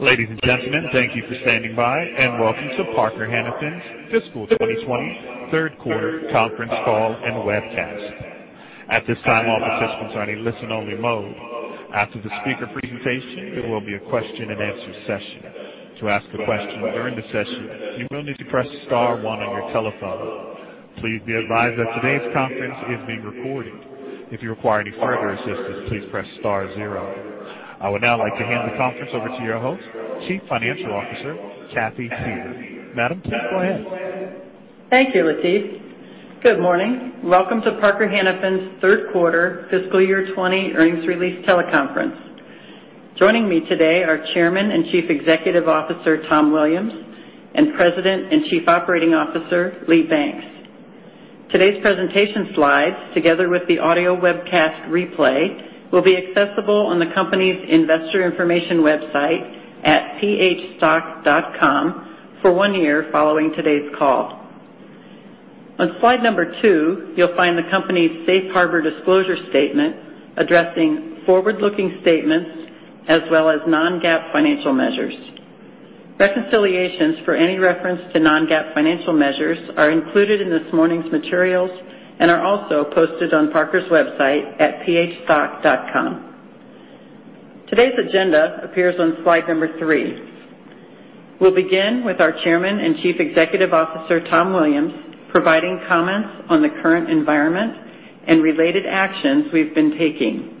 Ladies and gentlemen, thank you for standing by, and welcome to Parker-Hannifin's fiscal 2020 third quarter conference call and webcast. At this time, all participants are in a listen-only mode. After the speaker presentation, there will be a question-and-answer session. To ask a question during the session, you will need to press star one on your telephone. Please be advised that today's conference is being recorded. If you require any further assistance, please press star zero. I would now like to hand the conference over to your host, Chief Financial Officer, Cathy Suever. Madam, please go ahead. Thank you, Latif. Good morning. Welcome to Parker-Hannifin's third quarter fiscal year 2020 earnings release teleconference. Joining me today are Chairman and Chief Executive Officer, Tom Williams, and President and Chief Operating Officer, Lee Banks. Today's presentation slides, together with the audio webcast replay, will be accessible on the company's investor information website at phstock.com for one year following today's call. On slide number two, you'll find the company's safe harbor disclosure statement addressing forward-looking statements as well as non-GAAP financial measures. Reconciliations for any reference to non-GAAP financial measures are included in this morning's materials and are also posted on Parker's website at phstock.com. Today's agenda appears on slide number three. We'll begin with our Chairman and Chief Executive Officer, Tom Williams, providing comments on the current environment and related actions we've been taking.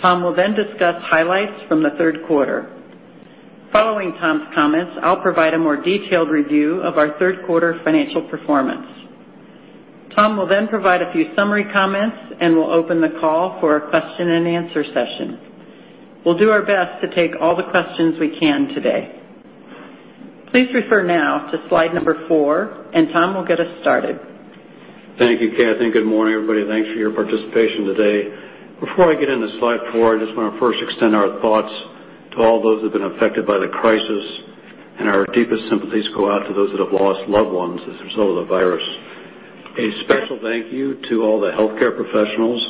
Tom will then discuss highlights from the third quarter. Following Tom's comments, I'll provide a more detailed review of our third-quarter financial performance. Tom will then provide a few summary comments, and we'll open the call for a question-and-answer session. We'll do our best to take all the questions we can today. Please refer now to slide number four, and Tom will get us started. Thank you, Cathy. Good morning, everybody, thanks for your participation today. Before I get into slide four, I just want to first extend our thoughts to all those who've been affected by the crisis, our deepest sympathies go out to those that have lost loved ones as a result of the virus. A special thank you to all the healthcare professionals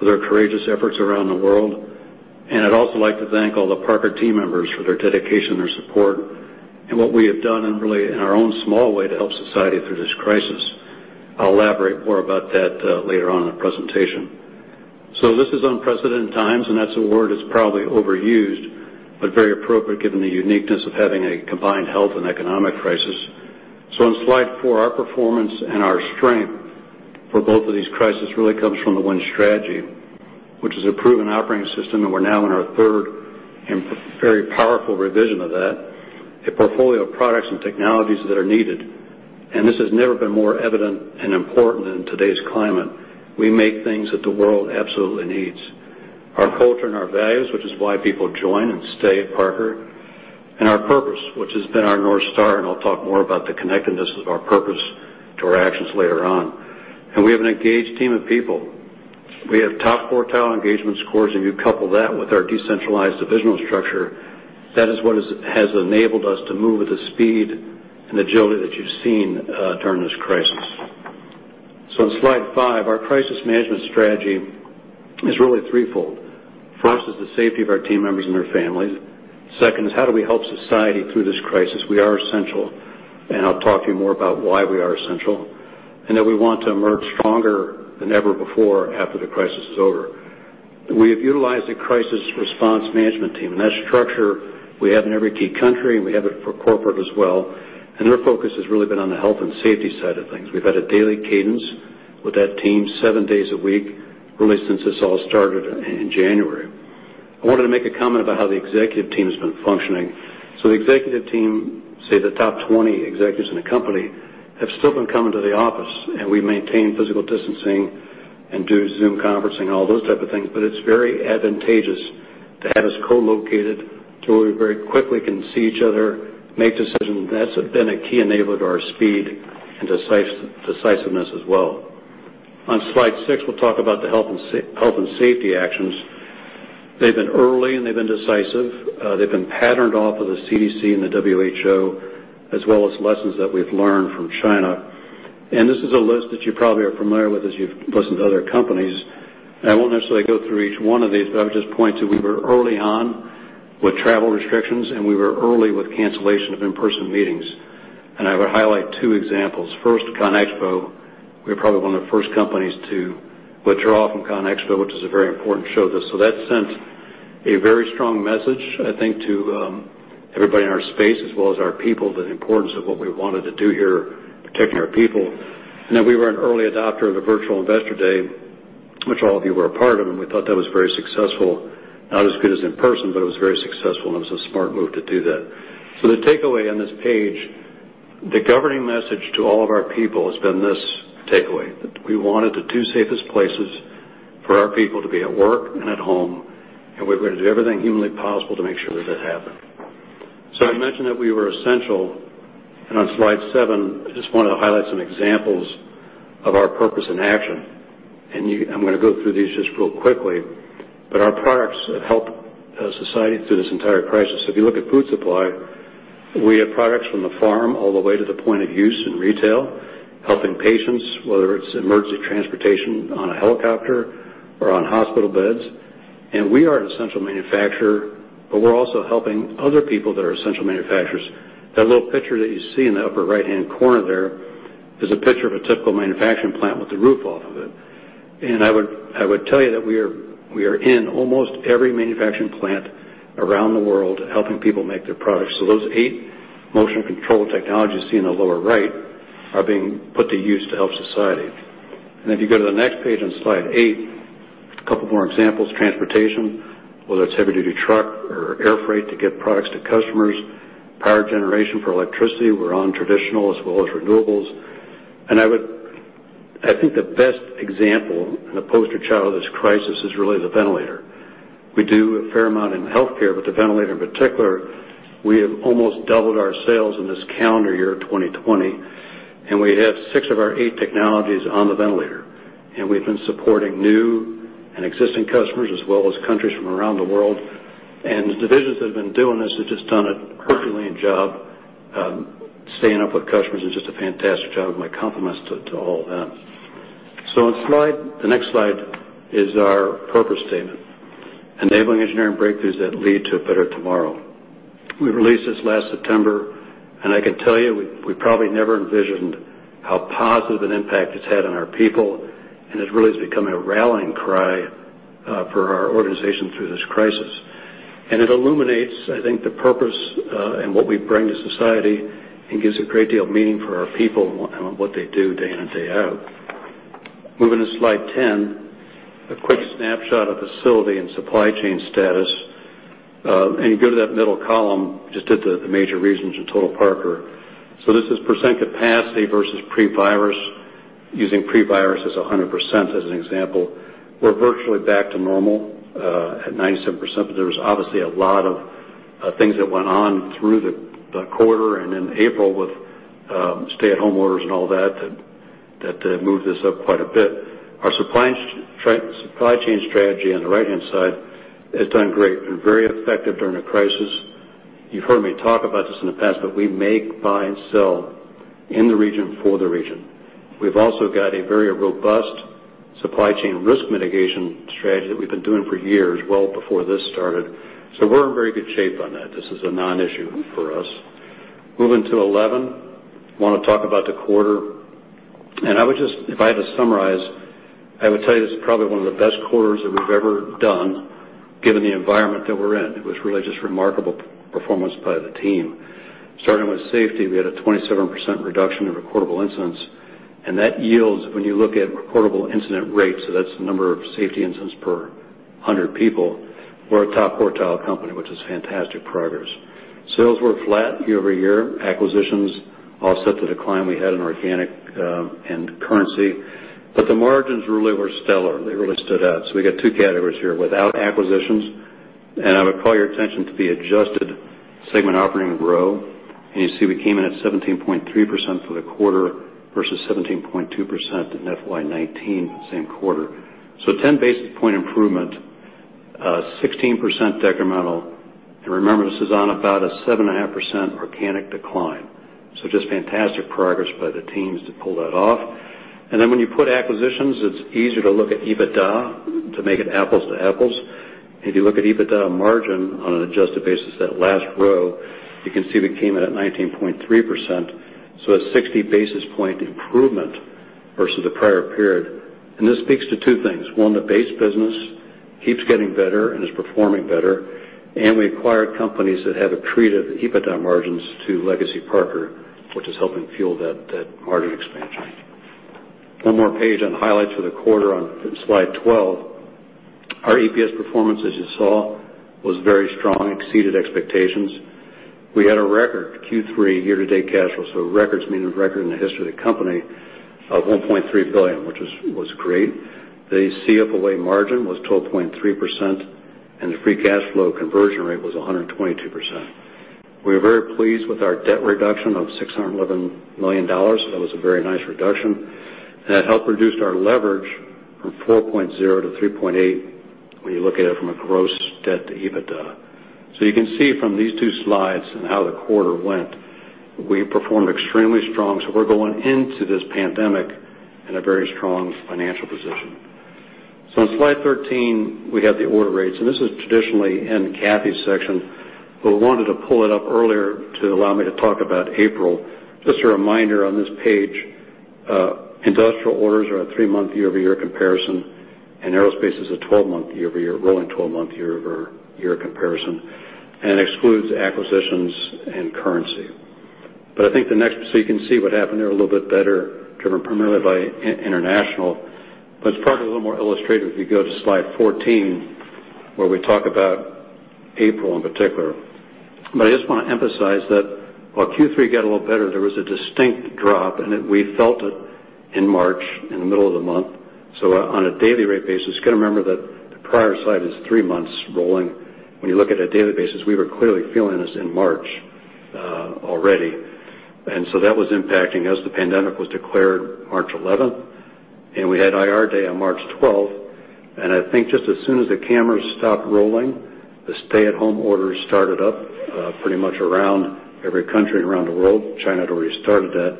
for their courageous efforts around the world. I'd also like to thank all the Parker team members for their dedication and their support, what we have done really in our own small way to help society through this crisis. I'll elaborate more about that later on in the presentation. This is unprecedented times, that's a word that's probably overused, very appropriate given the uniqueness of having a combined health and economic crisis. On slide four, our performance and our strength for both of these crises really comes from the Win Strategy, which is a proven operating system, and we're now in our third and very powerful revision of that. A portfolio of products and technologies that are needed, and this has never been more evident and important in today's climate. We make things that the world absolutely needs. Our culture and our values, which is why people join and stay at Parker. Our purpose, which has been our North Star, and I'll talk more about the connectedness of our purpose to our actions later on. We have an engaged team of people. We have top quartile engagement scores, and you couple that with our decentralized divisional structure. That is what has enabled us to move with the speed and agility that you've seen during this crisis. On slide five, our crisis management strategy is really threefold. First is the safety of our team members and their families. Second is how do we help society through this crisis? We are essential, and I'll talk to you more about why we are essential. We want to emerge stronger than ever before after the crisis is over. We have utilized a crisis response management team, and that structure we have in every key country, and we have it for corporate as well. Their focus has really been on the health and safety side of things. We've had a daily cadence with that team seven days a week, really since this all started in January. I wanted to make a comment about how the executive team has been functioning. The executive team, say the top 20 executives in the company, have still been coming to the office, and we maintain physical distancing and do Zoom conferencing, all those type of things. It's very advantageous to have us co-located to where we very quickly can see each other, make decisions. That's been a key enabler to our speed and decisiveness as well. On slide six, we'll talk about the health and safety actions. They've been early, and they've been decisive. They've been patterned off of the CDC and the WHO, as well as lessons that we've learned from China. This is a list that you probably are familiar with as you've listened to other companies. I won't necessarily go through each one of these, but I would just point to we were early on with travel restrictions, and we were early with cancellation of in-person meetings. I would highlight two examples. First, CONEXPO, we were probably one of the first companies to withdraw from CONEXPO, which is a very important show. That sent a very strong message, I think, to everybody in our space as well as our people, the importance of what we wanted to do here, protecting our people. We were an early adopter of the virtual investor day, which all of you were a part of, and we thought that was very successful. Not as good as in person, but it was very successful, and it was a smart move to do that. The takeaway on this page, the governing message to all of our people has been this takeaway, that we wanted the two safest places for our people to be at work and at home, and we were going to do everything humanly possible to make sure that that happened. I mentioned that we were essential. On slide seven, I just want to highlight some examples of our purpose in action. I'm going to go through these just real quickly. Our products have helped society through this entire crisis. If you look at food supply. We have products from the farm all the way to the point of use in retail, helping patients, whether it's emergency transportation on a helicopter or on hospital beds. We are an essential manufacturer, but we're also helping other people that are essential manufacturers. That little picture that you see in the upper right-hand corner there is a picture of a typical manufacturing plant with the roof off of it. I would tell you that we are in almost every manufacturing plant around the world helping people make their products. Those eight motion control technologies you see in the lower right are being put to use to help society. If you go to the next page on slide eight, a couple more examples. Transportation, whether it's heavy-duty truck or air freight to get products to customers, power generation for electricity. We're on traditional as well as renewables. I think the best example and the poster child of this crisis is really the ventilator. We do a fair amount in healthcare, but the ventilator in particular, we have almost doubled our sales in this calendar year, 2020, and we have six of our eight technologies on the ventilator. We've been supporting new and existing customers, as well as countries from around the world. The divisions that have been doing this have just done a quickling job staying up with customers and just a fantastic job. My compliments to all them. The next slide is our purpose statement, enabling engineering breakthroughs that lead to a better tomorrow. We released this last September, and I can tell you, we probably never envisioned how positive an impact it's had on our people, and it really has become a rallying cry for our organization through this crisis. It illuminates, I think, the purpose, and what we bring to society and gives a great deal of meaning for our people on what they do day in and day out. Moving to slide 10, a quick snapshot of facility and supply chain status. You go to that middle column, just at the major regions and total Parker. This is % capacity versus pre-virus, using pre-virus as 100% as an example. We're virtually back to normal, at 97%, but there was obviously a lot of things that went on through the quarter and in April with stay-at-home orders and all that moved this up quite a bit. Our supply chain strategy on the right-hand side has done great, been very effective during the crisis. You've heard me talk about this in the past, but we make, buy, and sell in the region, for the region. We've also got a very robust supply chain risk mitigation strategy that we've been doing for years, well before this started. We're in very good shape on that. This is a non-issue for us. Moving to slide 11. Want to talk about the quarter, and if I had to summarize, I would tell you this is probably one of the best quarters that we've ever done, given the environment that we're in. It was really just remarkable performance by the team. Starting with safety, we had a 27% reduction in recordable incidents, and that yields, when you look at recordable incident rates, so that's the number of safety incidents per 100 people. We're a top quartile company, which is fantastic progress. Sales were flat year-over-year. Acquisitions offset the decline we had in organic, and currency. The margins really were stellar. They really stood out. We got two categories here. Without acquisitions, I would call your attention to the adjusted segment operating row, you see we came in at 17.3% for the quarter versus 17.2% in FY 2019 same quarter. 10 basis point improvement, 16% decremental. Remember, this is on about a 7.5% organic decline. Just fantastic progress by the teams to pull that off. When you put acquisitions, it's easier to look at EBITDA to make it apples to apples. If you look at EBITDA margin on an adjusted basis, that last row, you can see we came in at 19.3%, a 60 basis point improvement versus the prior period. This speaks to two things. One, the base business keeps getting better and is performing better, and we acquired companies that have accretive EBITDA margins to Legacy Parker, which is helping fuel that margin expansion. One more page on highlights for the quarter on slide 12. Our EPS performance, as you saw, was very strong, exceeded expectations. We had a record Q3 year-to-date cash flow, so records meaning record in the history of the company, of $1.3 billion, which was great. The CFOA margin was 12.3%, and the free cash flow conversion rate was 122%. We are very pleased with our debt reduction of $611 million. That was a very nice reduction. That helped reduce our leverage from 4.0x to 3.8x when you look at it from a gross debt to EBITDA. You can see from these two slides on how the quarter went, we performed extremely strong. We're going into this pandemic in a very strong financial position. On slide 13, we have the order rates, and this is traditionally in Cathy's section, but we wanted to pull it up earlier to allow me to talk about April. Just a reminder on this page, industrial orders are a three-month year-over-year comparison, and aerospace is a 12-month year-over-year, rolling 12-month year-over-year comparison and excludes acquisitions and currency. You can see what happened there a little bit better, driven primarily by international, but it's probably a little more illustrated if you go to slide 14, where we talk about April in particular. I just want to emphasize that while Q3 got a little better, there was a distinct drop, and we felt it in March in the middle of the month. On a daily rate basis, got to remember that the prior slide is three months rolling. You look at a daily basis, we were clearly feeling this in March already. That was impacting us. The pandemic was declared March 11th, and we had IR Day on March 12th. I think just as soon as the cameras stopped rolling, the stay-at-home orders started up pretty much around every country around the world. China had already started that.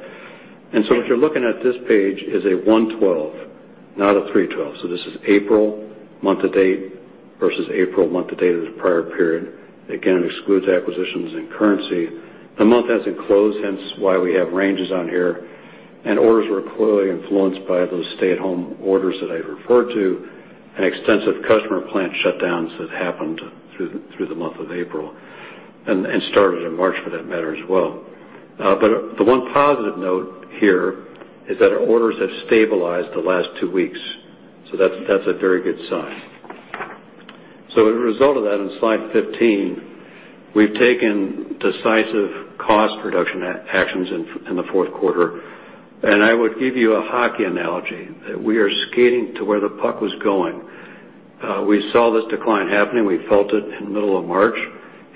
What you're looking at this page is a 112%, not a 312%. This is April month-to-date versus April month-to-date of the prior period. Again, it excludes acquisitions and currency. The month hasn't closed, hence why we have ranges on here. Orders were clearly influenced by those stay-at-home orders that I referred to, and extensive customer plant shutdowns that happened through the month of April, and started in March for that matter as well. The one positive note here is that our orders have stabilized the last two weeks. That's a very good sign. As a result of that, in slide 15, we've taken decisive cost reduction actions in the fourth quarter. I would give you a hockey analogy, that we are skating to where the puck was going. We saw this decline happening. We felt it in the middle of March,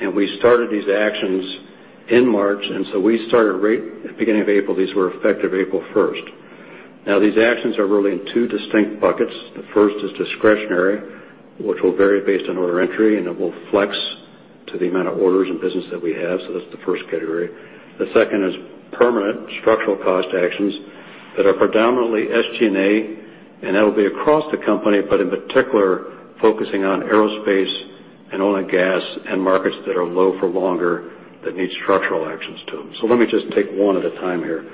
and we started these actions in March. We started right at the beginning of April. These were effective April 1st. Now, these actions are really in two distinct buckets. The first is discretionary, which will vary based on order entry, and it will flex to the amount of orders and business that we have. That's the first category. The second is permanent structural cost actions that are predominantly SG&A, and that'll be across the company, but in particular, focusing on aerospace and oil and gas and markets that are low for longer that need structural actions to them. Let me just take one at a time here.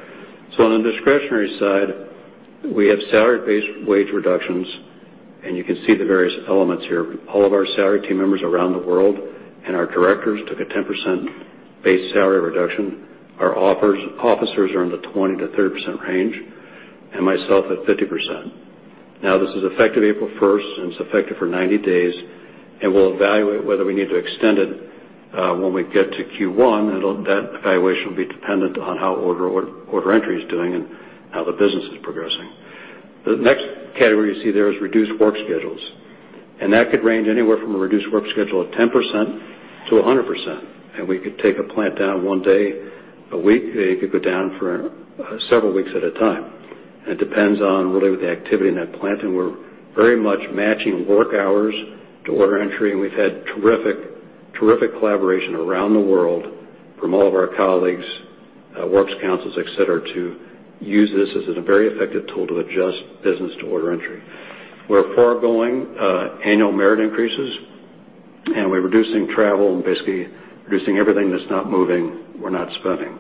On the discretionary side, we have salary-based wage reductions, and you can see the various elements here. All of our salary team members around the world and our directors took a 10% base salary reduction. Our officers are in the 20%-30% range, and myself at 50%. Now, this is effective April 1st, and it's effective for 90 days, and we'll evaluate whether we need to extend it when we get to Q1. That evaluation will be dependent on how order entry is doing and how the business is progressing. The next category you see there is reduced work schedules, that could range anywhere from a reduced work schedule of 10%-100%. We could take a plant down one day a week. They could go down for several weeks at a time. It depends on really the activity in that plant, and we're very much matching work hours to order entry, and we've had terrific collaboration around the world from all of our colleagues, works councils, et cetera, to use this as a very effective tool to adjust business to order entry. We're foregoing annual merit increases, and we're reducing travel and basically reducing everything that's not moving, we're not spending.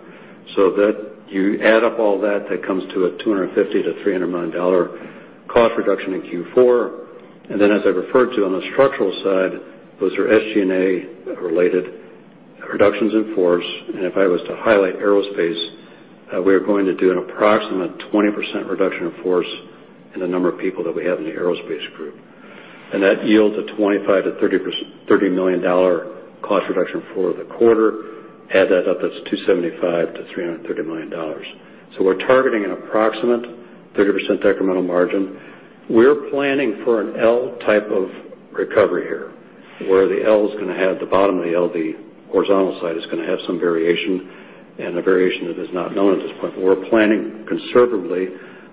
You add up all that comes to a $250 million-$300 million cost reduction in Q4. As I referred to on the structural side, those are SG&A related reductions in force. If I was to highlight Aerospace, we are going to do an approximate 20% reduction of force in the number of people that we have in the Aerospace group. That yields a $25 million-$30 million cost reduction for the quarter. Add that up, that's $275 million-$330 million. We're targeting an approximate 30% incremental margin. We're planning for an L-type of recovery here, where the L is going to have the bottom of the L, the horizontal side is going to have some variation, and the variation that is not known at this point. We're planning conservatively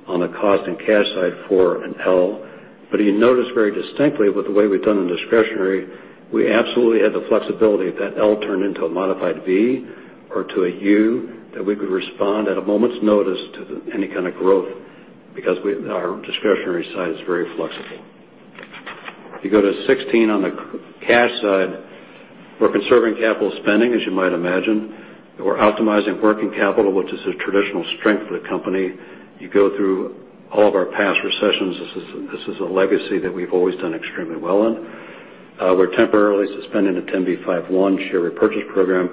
on the cost and cash side for an L. You notice very distinctly with the way we've done the discretionary, we absolutely have the flexibility if that L turned into a modified V or to a U, that we could respond at a moment's notice to any kind of growth because our discretionary side is very flexible. If you go to slide 16 on the cash side, we're conserving capital spending, as you might imagine. We're optimizing working capital, which is a traditional strength of the company. You go through all of our past recessions. This is a legacy that we've always done extremely well in. We're temporarily suspending the 10b5-1 share repurchase program,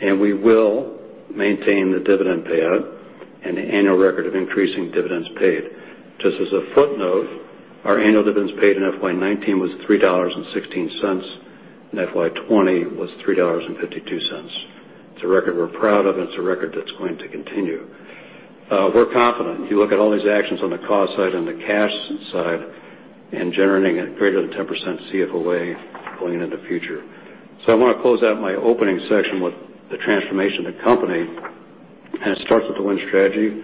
and we will maintain the dividend payout and the annual record of increasing dividends paid. Just as a footnote, our annual dividends paid in FY 2019 was $3.16, and FY 2020 was $3.52. It's a record we're proud of, and it's a record that's going to continue. We're confident. If you look at all these actions on the cost side and the cash side and generating a greater than 10% CFOA going into the future. I want to close out my opening section with the transformation of the company, and it starts with the Win Strategy.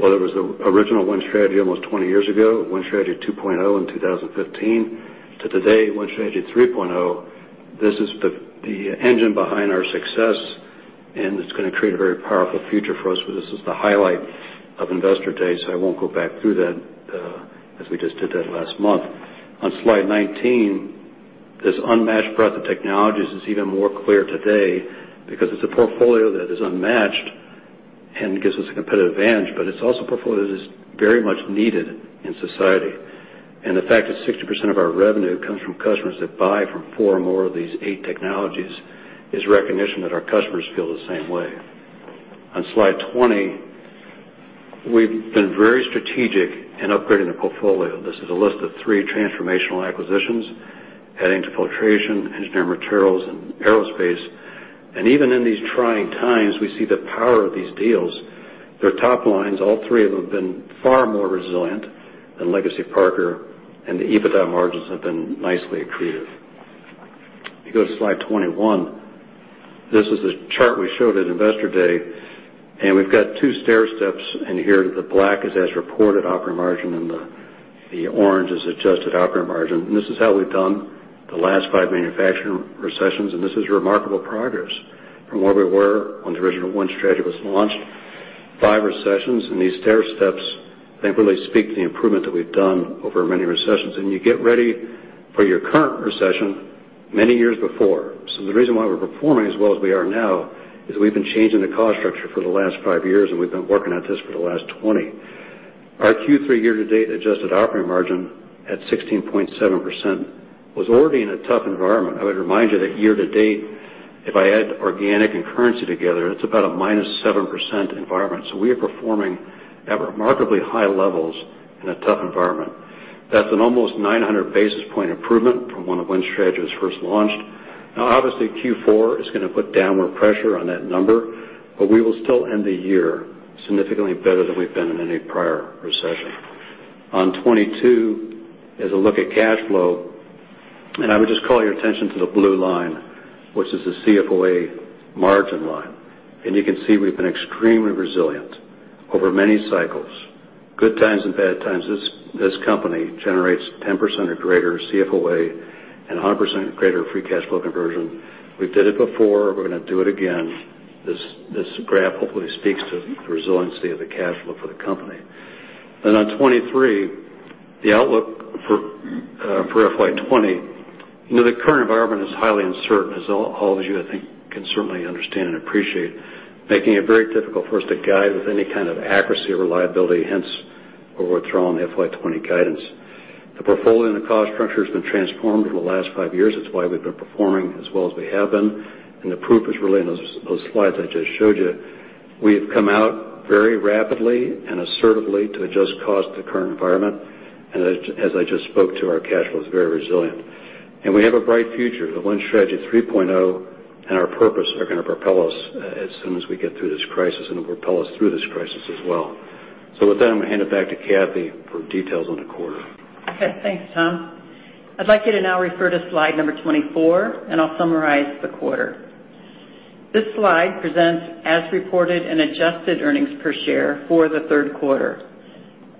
Well, there was the original Win Strategy almost 20 years ago, Win Strategy 2.0 in 2015. To today, Win Strategy 3.0. This is the engine behind our success, and it's going to create a very powerful future for us. This is the highlight of Investor Day, so I won't go back through that as we just did that last month. On slide 19, this unmatched breadth of technologies is even more clear today because it's a portfolio that is unmatched and gives us a competitive advantage, but it's also a portfolio that is very much needed in society. The fact that 60% of our revenue comes from customers that buy from four or more of these eight technologies is recognition that our customers feel the same way. On slide 20, we've been very strategic in upgrading the portfolio. This is a list of three transformational acquisitions, adding to filtration, engineered materials, and aerospace. Even in these trying times, we see the power of these deals. Their top lines, all three of them, have been far more resilient than Legacy Parker, and the EBITDA margins have been nicely accretive. If you go to slide 21, this is a chart we showed at Investor Day, and we've got two stairsteps in here. The black is as reported operating margin, and the orange is adjusted operating margin. This is how we've done the last five manufacturing recessions, and this is remarkable progress from where we were when the original Win Strategy was launched. Five recessions, these stairsteps, I think really speak to the improvement that we've done over many recessions. You get ready for your current recession many years before. The reason why we're performing as well as we are now is we've been changing the cost structure for the last five years, and we've been working on this for the last 20 years. Our Q3 year-to-date adjusted operating margin at 16.7% was already in a tough environment. I would remind you that year-to-date, if I add organic and currency together, it's about a -7% environment. We are performing at remarkably high levels in a tough environment. That's an almost 900 basis point improvement from when Win Strategy was first launched. Obviously, Q4 is going to put downward pressure on that number, but we will still end the year significantly better than we've been in any prior recession. On slide 22, is a look at cash flow. I would just call your attention to the blue line, which is the CFOA margin line. You can see we've been extremely resilient over many cycles, good times and bad times. This company generates 10% or greater CFOA and 100% or greater free cash flow conversion. We've did it before. We're going to do it again. This graph hopefully speaks to the resiliency of the cash flow for the company. On slide 23, the outlook for FY 2020. The current environment is highly uncertain, as all of you, I think, can certainly understand and appreciate, making it very difficult for us to guide with any kind of accuracy or reliability, hence, have withdrawn FY 2020 guidance. The portfolio and the cost structure has been transformed over the last five years. That's why we've been performing as well as we have been, and the proof is really in those slides I just showed you. We have come out very rapidly and assertively to adjust cost to current environment, and as I just spoke to, our cash flow is very resilient. We have a bright future. The Win Strategy 3.0 and our purpose are going to propel us as soon as we get through this crisis, and it will propel us through this crisis as well. With that, I'm going to hand it back to Cathy for details on the quarter. Okay. Thanks, Tom. I'd like you to now refer to slide number 24, and I'll summarize the quarter. This slide presents as reported and adjusted earnings per share for the third quarter.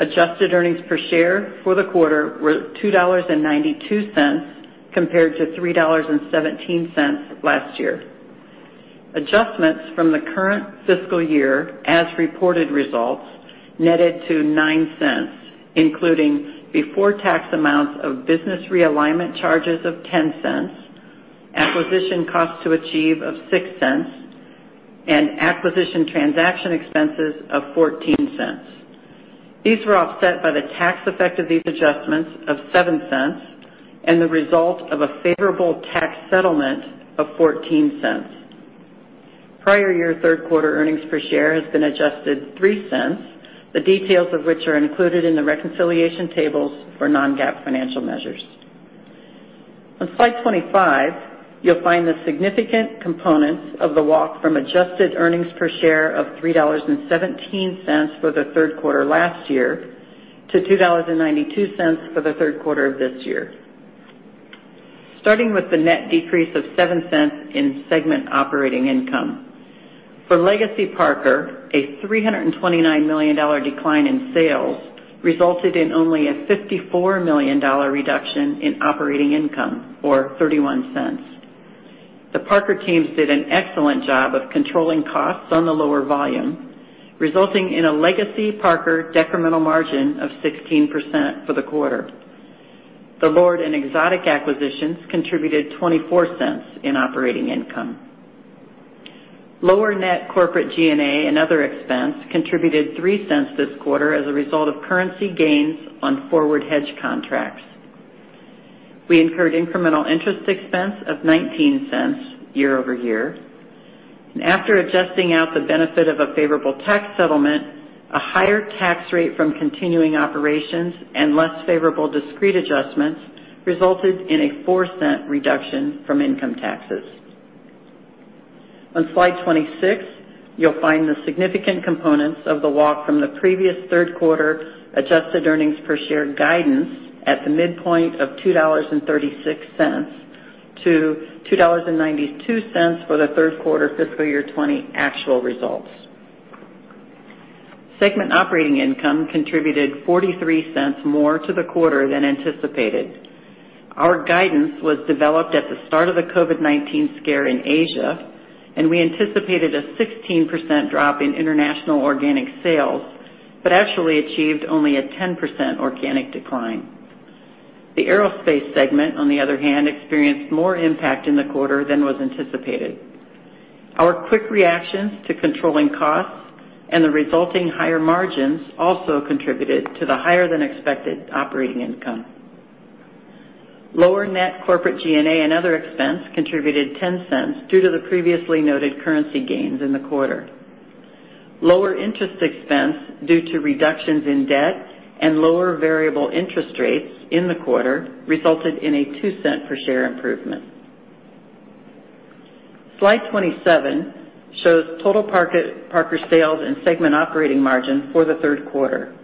Adjusted earnings per share for the quarter were $2.92, compared to $3.17 last year. Adjustments from the current fiscal year as reported results netted to $0.09, including before tax amounts of business realignment charges of $0.10, acquisition costs to achieve of $0.06, and acquisition transaction expenses of $0.14. These were offset by the tax effect of these adjustments of $0.07 and the result of a favorable tax settlement of $0.14. Prior year third quarter earnings per share has been adjusted $0.03, the details of which are included in the reconciliation tables for non-GAAP financial measures. On slide 25, you'll find the significant components of the walk from adjusted earnings per share of $3.17 for the third quarter last year to $2.92 for the third quarter of this year. Starting with the net decrease of $0.07 in segment operating income. For Legacy Parker, a $329 million decline in sales resulted in only a $54 million reduction in operating income, or $0.31. The Parker teams did an excellent job of controlling costs on the lower volume, resulting in a Legacy Parker decremental margin of 16% for the quarter. The LORD and Exotic acquisitions contributed $0.24 in operating income. Lower net corporate G&A and other expense contributed $0.03 this quarter as a result of currency gains on forward hedge contracts. We incurred incremental interest expense of $0.19 year-over-year. After adjusting out the benefit of a favorable tax settlement, a higher tax rate from continuing operations and less favorable discrete adjustments resulted in a $0.04 reduction from income taxes. On slide 26, you'll find the significant components of the walk from the previous third quarter adjusted earnings per share guidance at the midpoint of $2.36 to $2.92 for the third quarter fiscal year 2020 actual results. Segment operating income contributed $0.43 more to the quarter than anticipated. Our guidance was developed at the start of the COVID-19 scare in Asia, and we anticipated a 16% drop in international organic sales, but actually achieved only a 10% organic decline. The Aerospace segment, on the other hand, experienced more impact in the quarter than was anticipated. Our quick reactions to controlling costs and the resulting higher margins also contributed to the higher than expected operating income. Lower net corporate G&A and other expense contributed $0.10 due to the previously noted currency gains in the quarter. Lower interest expense due to reductions in debt and lower variable interest rates in the quarter resulted in a $0.02 per share improvement. Slide 27 shows total Parker sales and segment operating margin for the third quarter.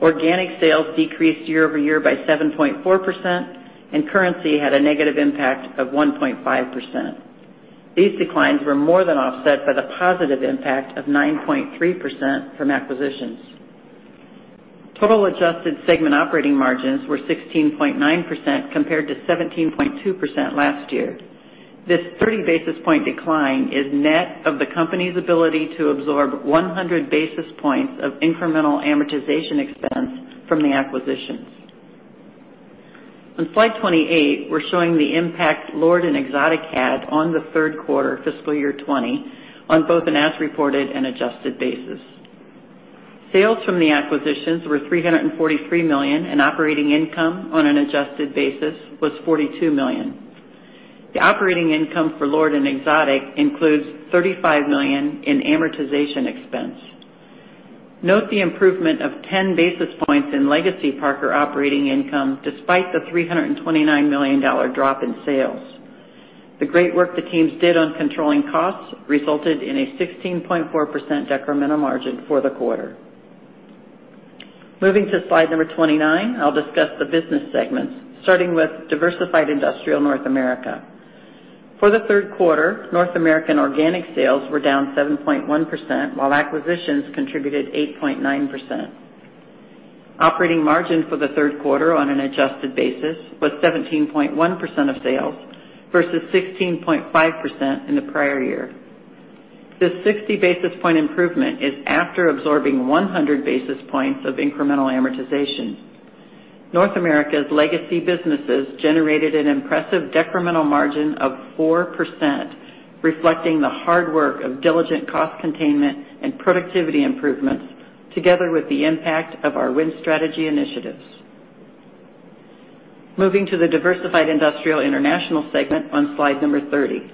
Organic sales decreased year-over-year by 7.4%. Currency had a negative impact of 1.5%. These declines were more than offset by the positive impact of 9.3% from acquisitions. Total adjusted segment operating margins were 16.9% compared to 17.2% last year. This 30 basis point decline is net of the company's ability to absorb 100 basis points of incremental amortization expense from the acquisitions. On slide 28, we're showing the impact LORD and Exotic had on the third quarter fiscal year 2020 on both an as reported and adjusted basis. Sales from the acquisitions were $343 million, operating income on an adjusted basis was $42 million. The operating income for LORD and Exotic includes $35 million in amortization expense. Note the improvement of 10 basis points in Legacy Parker operating income, despite the $329 million drop in sales. The great work the teams did on controlling costs resulted in a 16.4% decremental margin for the quarter. Moving to slide number 29, I'll discuss the business segments, starting with Diversified Industrial North America. For the third quarter, North American organic sales were down 7.1%, while acquisitions contributed 8.9%. Operating margin for the third quarter on an adjusted basis was 17.1% of sales versus 16.5% in the prior year. This 60 basis point improvement is after absorbing 100 basis points of incremental amortization. North America's legacy businesses generated an impressive decremental margin of 4%, reflecting the hard work of diligent cost containment and productivity improvements, together with the impact of our Win Strategy initiatives. Moving to the Diversified Industrial International segment on slide number 30.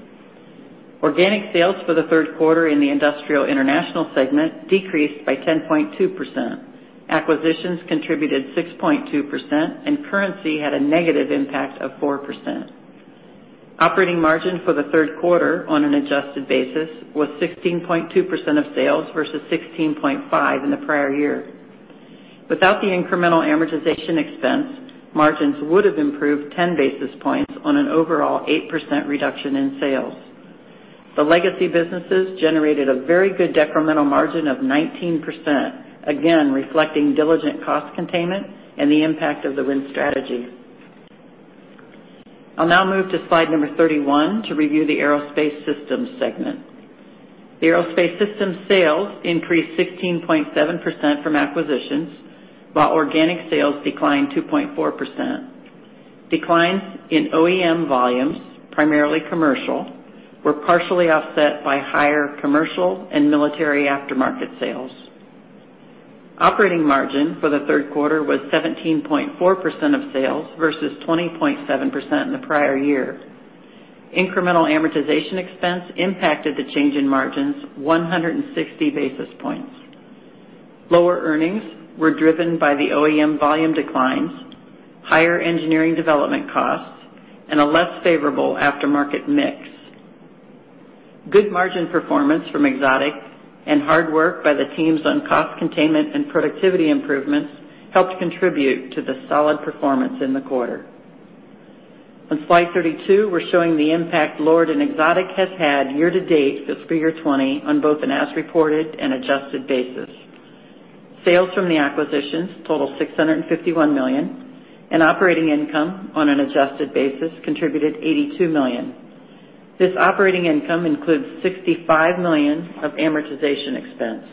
Organic sales for the third quarter in the Industrial International segment decreased by 10.2%. Acquisitions contributed 6.2%, and currency had a negative impact of 4%. Operating margin for the third quarter on an adjusted basis was 16.2% of sales versus 16.5% in the prior year. Without the incremental amortization expense, margins would have improved 10 basis points on an overall 8% reduction in sales. The legacy businesses generated a very good decremental margin of 19%, again, reflecting diligent cost containment and the impact of the Win Strategy. I'll now move to slide number 31 to review the Aerospace Systems segment. The Aerospace Systems sales increased 16.7% from acquisitions, while organic sales declined 2.4%. Declines in OEM volumes, primarily commercial, were partially offset by higher commercial and military aftermarket sales. Operating margin for the third quarter was 17.4% of sales versus 20.7% in the prior year. Incremental amortization expense impacted the change in margins 160 basis points. Lower earnings were driven by the OEM volume declines, higher engineering development costs, and a less favorable aftermarket mix. Good margin performance from Exotic and hard work by the teams on cost containment and productivity improvements helped contribute to the solid performance in the quarter. On slide 32, we're showing the impact LORD and Exotic has had year to date fiscal year 2020 on both an as reported and adjusted basis. Sales from the acquisitions total $651 million, and operating income on an adjusted basis contributed $82 million. This operating income includes $65 million of amortization expense.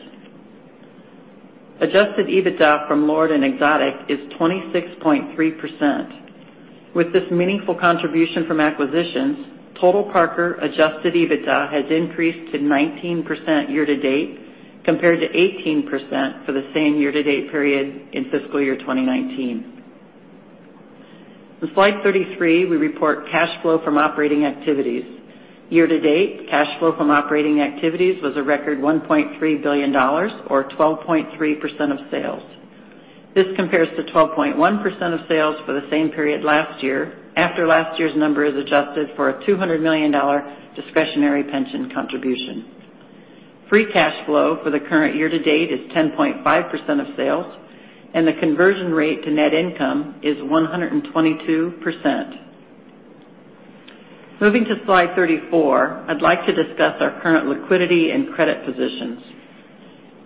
Adjusted EBITDA from LORD and Exotic is 26.3%. With this meaningful contribution from acquisitions, total Parker adjusted EBITDA has increased to 19% year-to-date, compared to 18% for the same year-to-date period in fiscal year 2019. On slide 33, we report cash flow from operating activities. Year-to-date, cash flow from operating activities was a record $1.3 billion or 12.3% of sales. This compares to 12.1% of sales for the same period last year, after last year's number is adjusted for a $200 million discretionary pension contribution. Free cash flow for the current year-to-date is 10.5% of sales, and the conversion rate to net income is 122%. Moving to slide 34, I'd like to discuss our current liquidity and credit positions.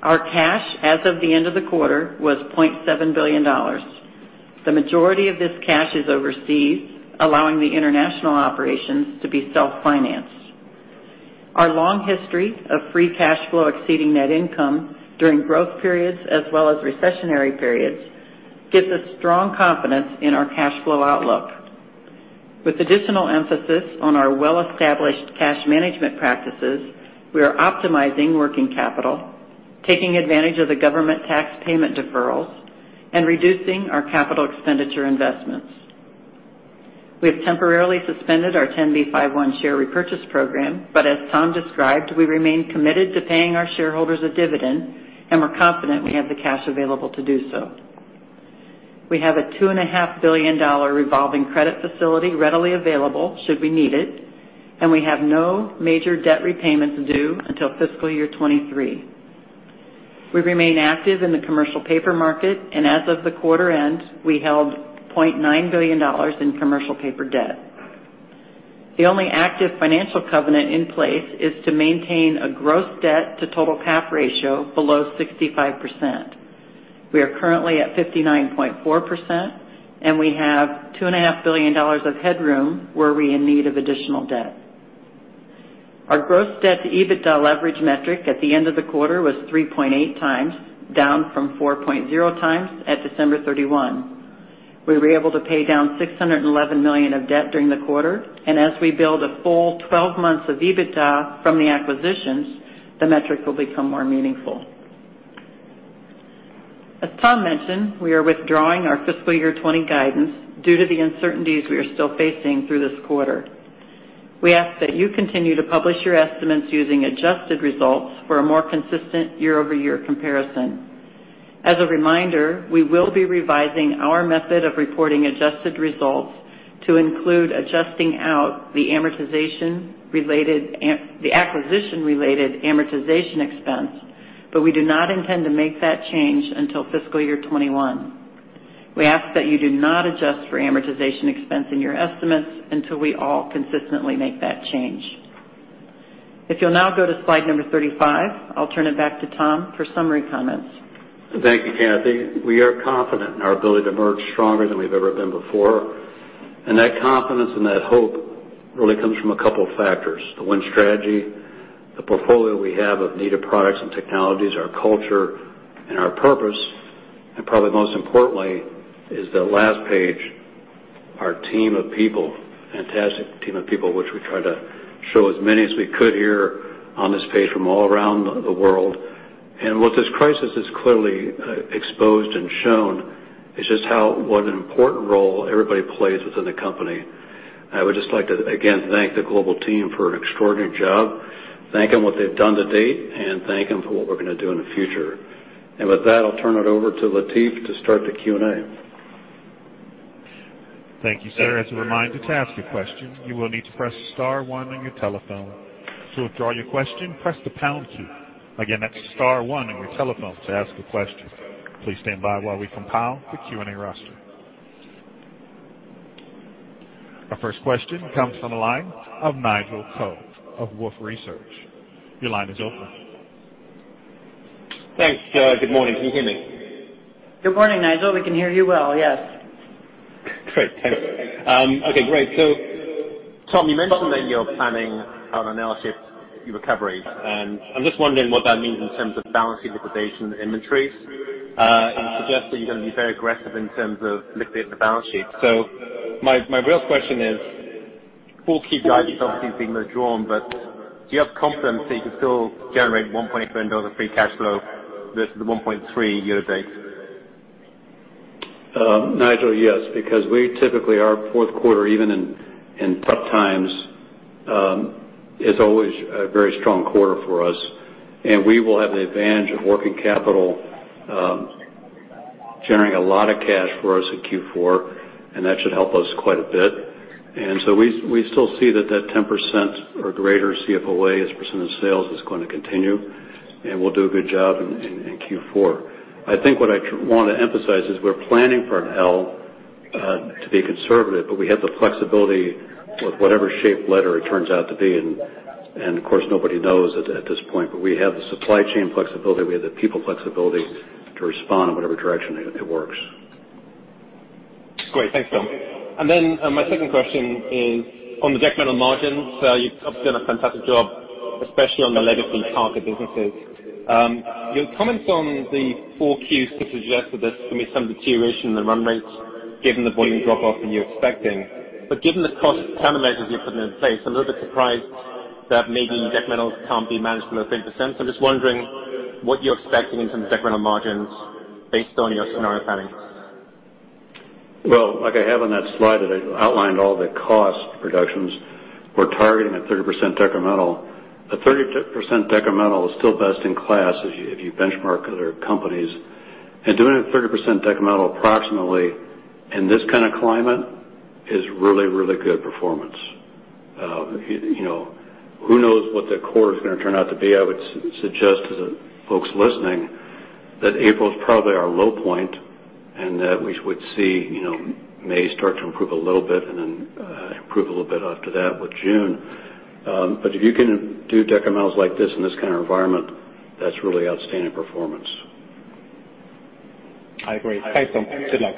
Our cash as of the end of the quarter was $0.7 billion. The majority of this cash is overseas, allowing the international operations to be self-financed. Our long history of free cash flow exceeding net income during growth periods as well as recessionary periods gives us strong confidence in our cash flow outlook. With additional emphasis on our well-established cash management practices, we are optimizing working capital, taking advantage of the government tax payment deferrals, and reducing our capital expenditure investments. We have temporarily suspended our 10b5-1 share repurchase program, but as Tom described, we remain committed to paying our shareholders a dividend, and we're confident we have the cash available to do so. We have a $2.5 billion revolving credit facility readily available should we need it, and we have no major debt repayments due until fiscal year 2023. We remain active in the commercial paper market, and as of the quarter end, we held $0.9 billion in commercial paper debt. The only active financial covenant in place is to maintain a gross debt to total cap ratio below 65%. We are currently at 59.4%, and we have $2.5 billion of headroom were we in need of additional debt. Our gross debt to EBITDA leverage metric at the end of the quarter was 3.8x, down from 4.0x at December 31. We were able to pay down $611 million of debt during the quarter, and as we build a full 12 months of EBITDA from the acquisitions, the metric will become more meaningful. As Tom mentioned, we are withdrawing our fiscal year 2020 guidance due to the uncertainties we are still facing through this quarter. We ask that you continue to publish your estimates using adjusted results for a more consistent year-over-year comparison. As a reminder, we will be revising our method of reporting adjusted results to include adjusting out the acquisition-related amortization expense, but we do not intend to make that change until fiscal year 2021. We ask that you do not adjust for amortization expense in your estimates until we all consistently make that change. If you'll now go to slide number 35, I'll turn it back to Tom for summary comments. Thank you, Cathy. We are confident in our ability to emerge stronger than we've ever been before. That confidence and that hope really comes from a couple factors. The Win Strategy, the portfolio we have of needed products and technologies, our culture and our purpose, and probably most importantly, is the last page, our team of people. Fantastic team of people, which we try to show as many as we could here on this page from all around the world. What this crisis has clearly exposed and shown is what an important role everybody plays within the company. I would just like to, again, thank the global team for an extraordinary job, thank them what they've done to date, and thank them for what we're going to do in the future. With that, I'll turn it over to Latif to start the Q&A. Thank you, sir. As a reminder, to ask a question, you will need to press star one on your telephone. To withdraw your question, press the pound key. Again, that's star one on your telephone to ask a question. Please stand by while we compile the Q&A roster. Our first question comes from the line of Nigel Coe of Wolfe Research. Your line is open. Thanks, guys. Good morning. Can you hear me? Good morning, Nigel. We can hear you well. Yes. Great. Thanks. Okay, great. Tom, you mentioned that you're planning on an L-shaped recovery, and I'm just wondering what that means in terms of balance sheet liquidation inventories. You suggest that you're going to be very aggressive in terms of liquidating the balance sheet. My real question is, full key guidance obviously being withdrawn, but do you have confidence that you can still generate $1.7 billion of free cash flow versus the $1.3 billion year to date? Nigel, yes, because we typically, our fourth quarter, even in tough times, is always a very strong quarter for us, and we will have the advantage of working capital generating a lot of cash for us in Q4, and that should help us quite a bit. We still see that that 10% or greater CFOA as a percent of sales is going to continue, and we'll do a good job in Q4. I think what I want to emphasize is we're planning for an L to be conservative, but we have the flexibility with whatever shape letter it turns out to be. Of course, nobody knows at this point. We have the supply chain flexibility, we have the people flexibility to respond in whatever direction it works. Great. Thanks, Tom. My second question is on the decremental margins. You've obviously done a fantastic job, especially on the Legacy Parker businesses. Your comments on the 4Q sort of suggest that there's going to be some deterioration in the run rates given the volume drop-off that you're expecting. Given the cost containment measures you're putting in place, I'm a little bit surprised that maybe decremental can't be managed below 30%. I'm just wondering what you're expecting in terms of decremental margins based on your scenario planning. Well, like I have on that slide today, outlined all the cost reductions we're targeting at 30% decremental. A 30% decremental is still best in class if you benchmark other companies. Doing a 30% decremental approximately in this kind of climate is really, really good performance. Who knows what the quarter's going to turn out to be? I would suggest to the folks listening that April's probably our low point and that we would see May start to improve a little bit, and then improve a little bit after that with June. If you can do decrementals like this in this kind of environment, that's really outstanding performance. I agree. Thanks, Tom. Good luck.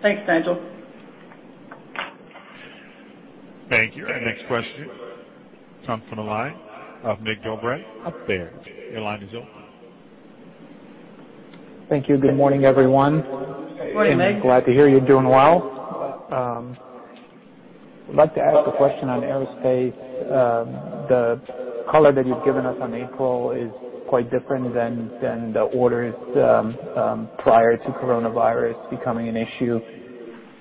Thanks, Nigel. Thank you. Our next question comes from the line of Mig Dobre of Baird. Your line is open. Thank you. Good morning, everyone. Morning, Mig. Glad to hear you're doing well. I'd like to ask a question on Aerospace. The color that you've given us on April is quite different than the orders prior to coronavirus becoming an issue.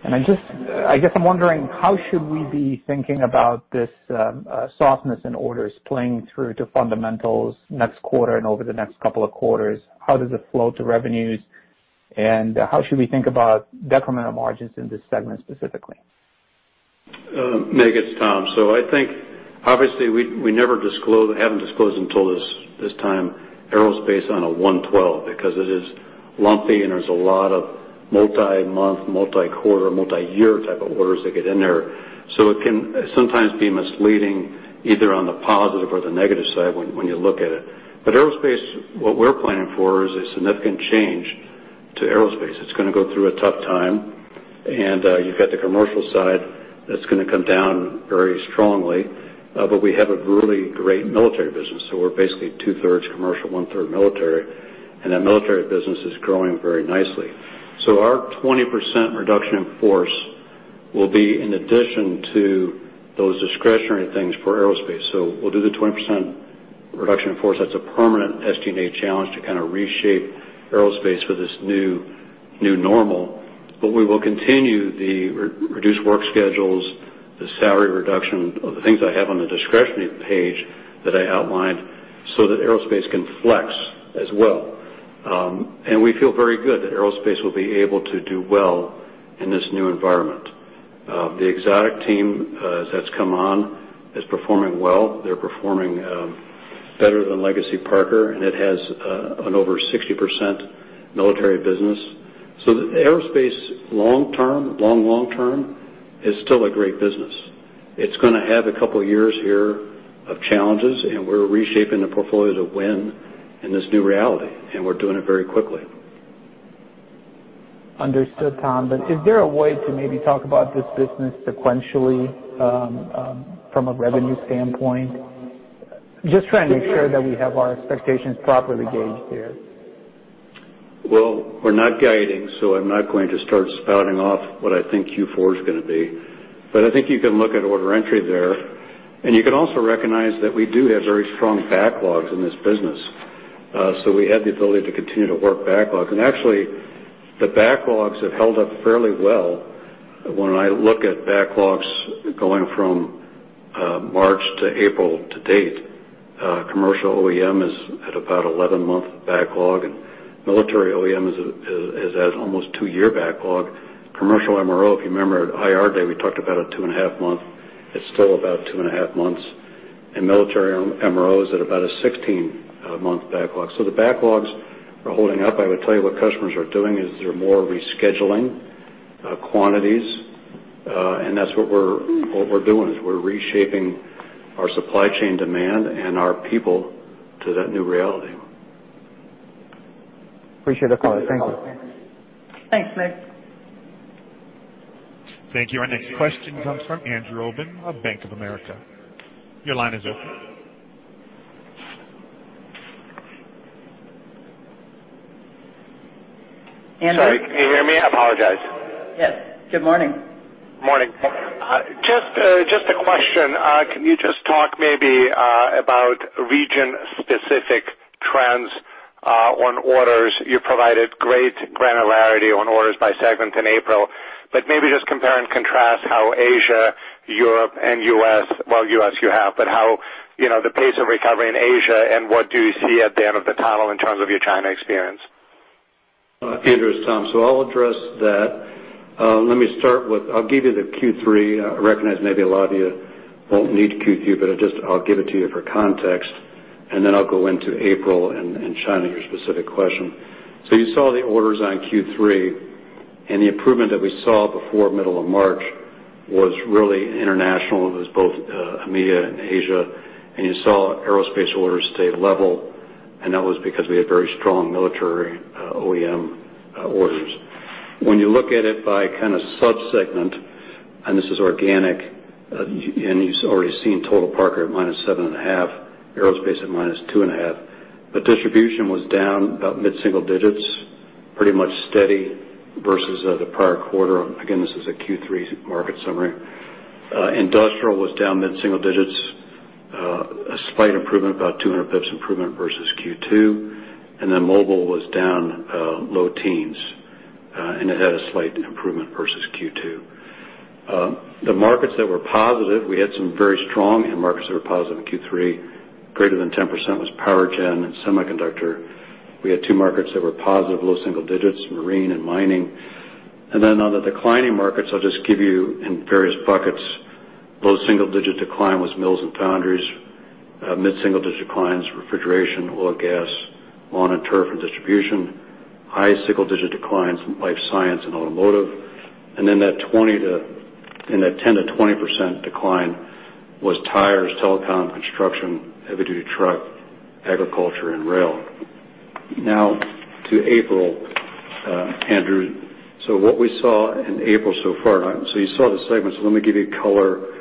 I guess I'm wondering, how should we be thinking about this softness in orders playing through to fundamentals next quarter and over the next couple of quarters? How does it flow to revenues, and how should we think about decremental margins in this segment specifically? Mig, it's Tom. I think, obviously, we haven't disclosed until this time Aerospace Systems on a 112%, because it is lumpy and there's a lot of multi-month, multi-quarter, multi-year type of orders that get in there. It can sometimes be misleading either on the positive or the negative side when you look at it. Aerospace Systems, what we're planning for is a significant change to Aerospace Systems. It's going to go through a tough time, you've got the commercial side that's going to come down very strongly. We have a really great military business, so we're basically two-thirds commercial, one-third military, that military business is growing very nicely. Our 20% reduction in force will be in addition to those discretionary things for Aerospace Systems. We'll do the 20% reduction in force. That's a permanent SG&A challenge to kind of reshape Aerospace Systems for this new normal. We will continue the reduced work schedules, the salary reduction, or the things I have on the discretionary page that I outlined, so that Aerospace can flex as well. We feel very good that Aerospace will be able to do well in this new environment. The Exotic team that's come on is performing well. They're performing better than Legacy Parker, and it has an over 60% military business. The Aerospace long, long-term is still a great business. It's going to have a couple of years here of challenges, and we're reshaping the portfolio to win in this new reality, and we're doing it very quickly. Understood, Tom. Is there a way to maybe talk about this business sequentially from a revenue standpoint? Just trying to make sure that we have our expectations properly gauged here. Well, we're not guiding, I'm not going to start spouting off what I think Q4 is going to be. I think you can look at order entry there, and you can also recognize that we do have very strong backlogs in this business. We have the ability to continue to work backlog. Actually, the backlogs have held up fairly well. When I look at backlogs going from March to April to date, Commercial OEM is at about 11 months backlog, Military OEM has almost two-year backlog. Commercial MRO, if you remember at IR Day, we talked about a two-and-a-half month. It's still about two-and-a-half months. Military MRO is at about a 16-month backlog. The backlogs are holding up. I would tell you what customers are doing is they're more rescheduling quantities. That's what we're doing, is we're reshaping our supply chain demand and our people to that new reality. Appreciate the color. Thank you. Thanks, Mig. Thank you. Our next question comes from Andrew Obin of Bank of America. Your line is open. Andrew. Sorry, can you hear me? I apologize. Yes. Good morning. Morning. Just a question. Can you just talk maybe about region-specific trends on orders? You provided great granularity on orders by segment in April, but maybe just compare and contrast how Asia, Europe, and U.S., well, U.S. you have, but how the pace of recovery in Asia, and what do you see at the end of the tunnel in terms of your China experience? Andrew, it's Tom. I'll address that. Let me start with, I'll give you the Q3. I recognize maybe a lot of you won't need Q3, I'll give it to you for context, I'll go into April and China, your specific question. You saw the orders on Q3, the improvement that we saw before middle of March was really international. It was both EMEA and Asia. You saw Aerospace orders stay level, that was because we had very strong military OEM orders. When you look at it by kind of sub-segment, this is organic, you've already seen total Parker at -7.5%, Aerospace at -2.5%. Distribution was down about mid-single digits, pretty much steady versus the prior quarter. Again, this is a Q3 market summary. Industrial was down mid-single digits, a slight improvement, about 200 basis points improvement versus Q2. Mobile was down low teens. It had a slight improvement versus Q2. The markets that were positive, we had some very strong end markets that were positive in Q3. Greater than 10% was power gen and semiconductor. We had two markets that were positive, low single digits, marine and mining. On the declining markets, I'll just give you in various buckets. Low single-digit decline was mills and foundries. Mid-single-digit declines, refrigeration, oil and gas, lawn and turf, and distribution. High single-digit declines, life science and automotive. That 10%-20% decline was tires, telecom, construction, heavy-duty truck, agriculture, and rail. To April, Andrew. What we saw in April so far, so you saw the segments. Let me give you color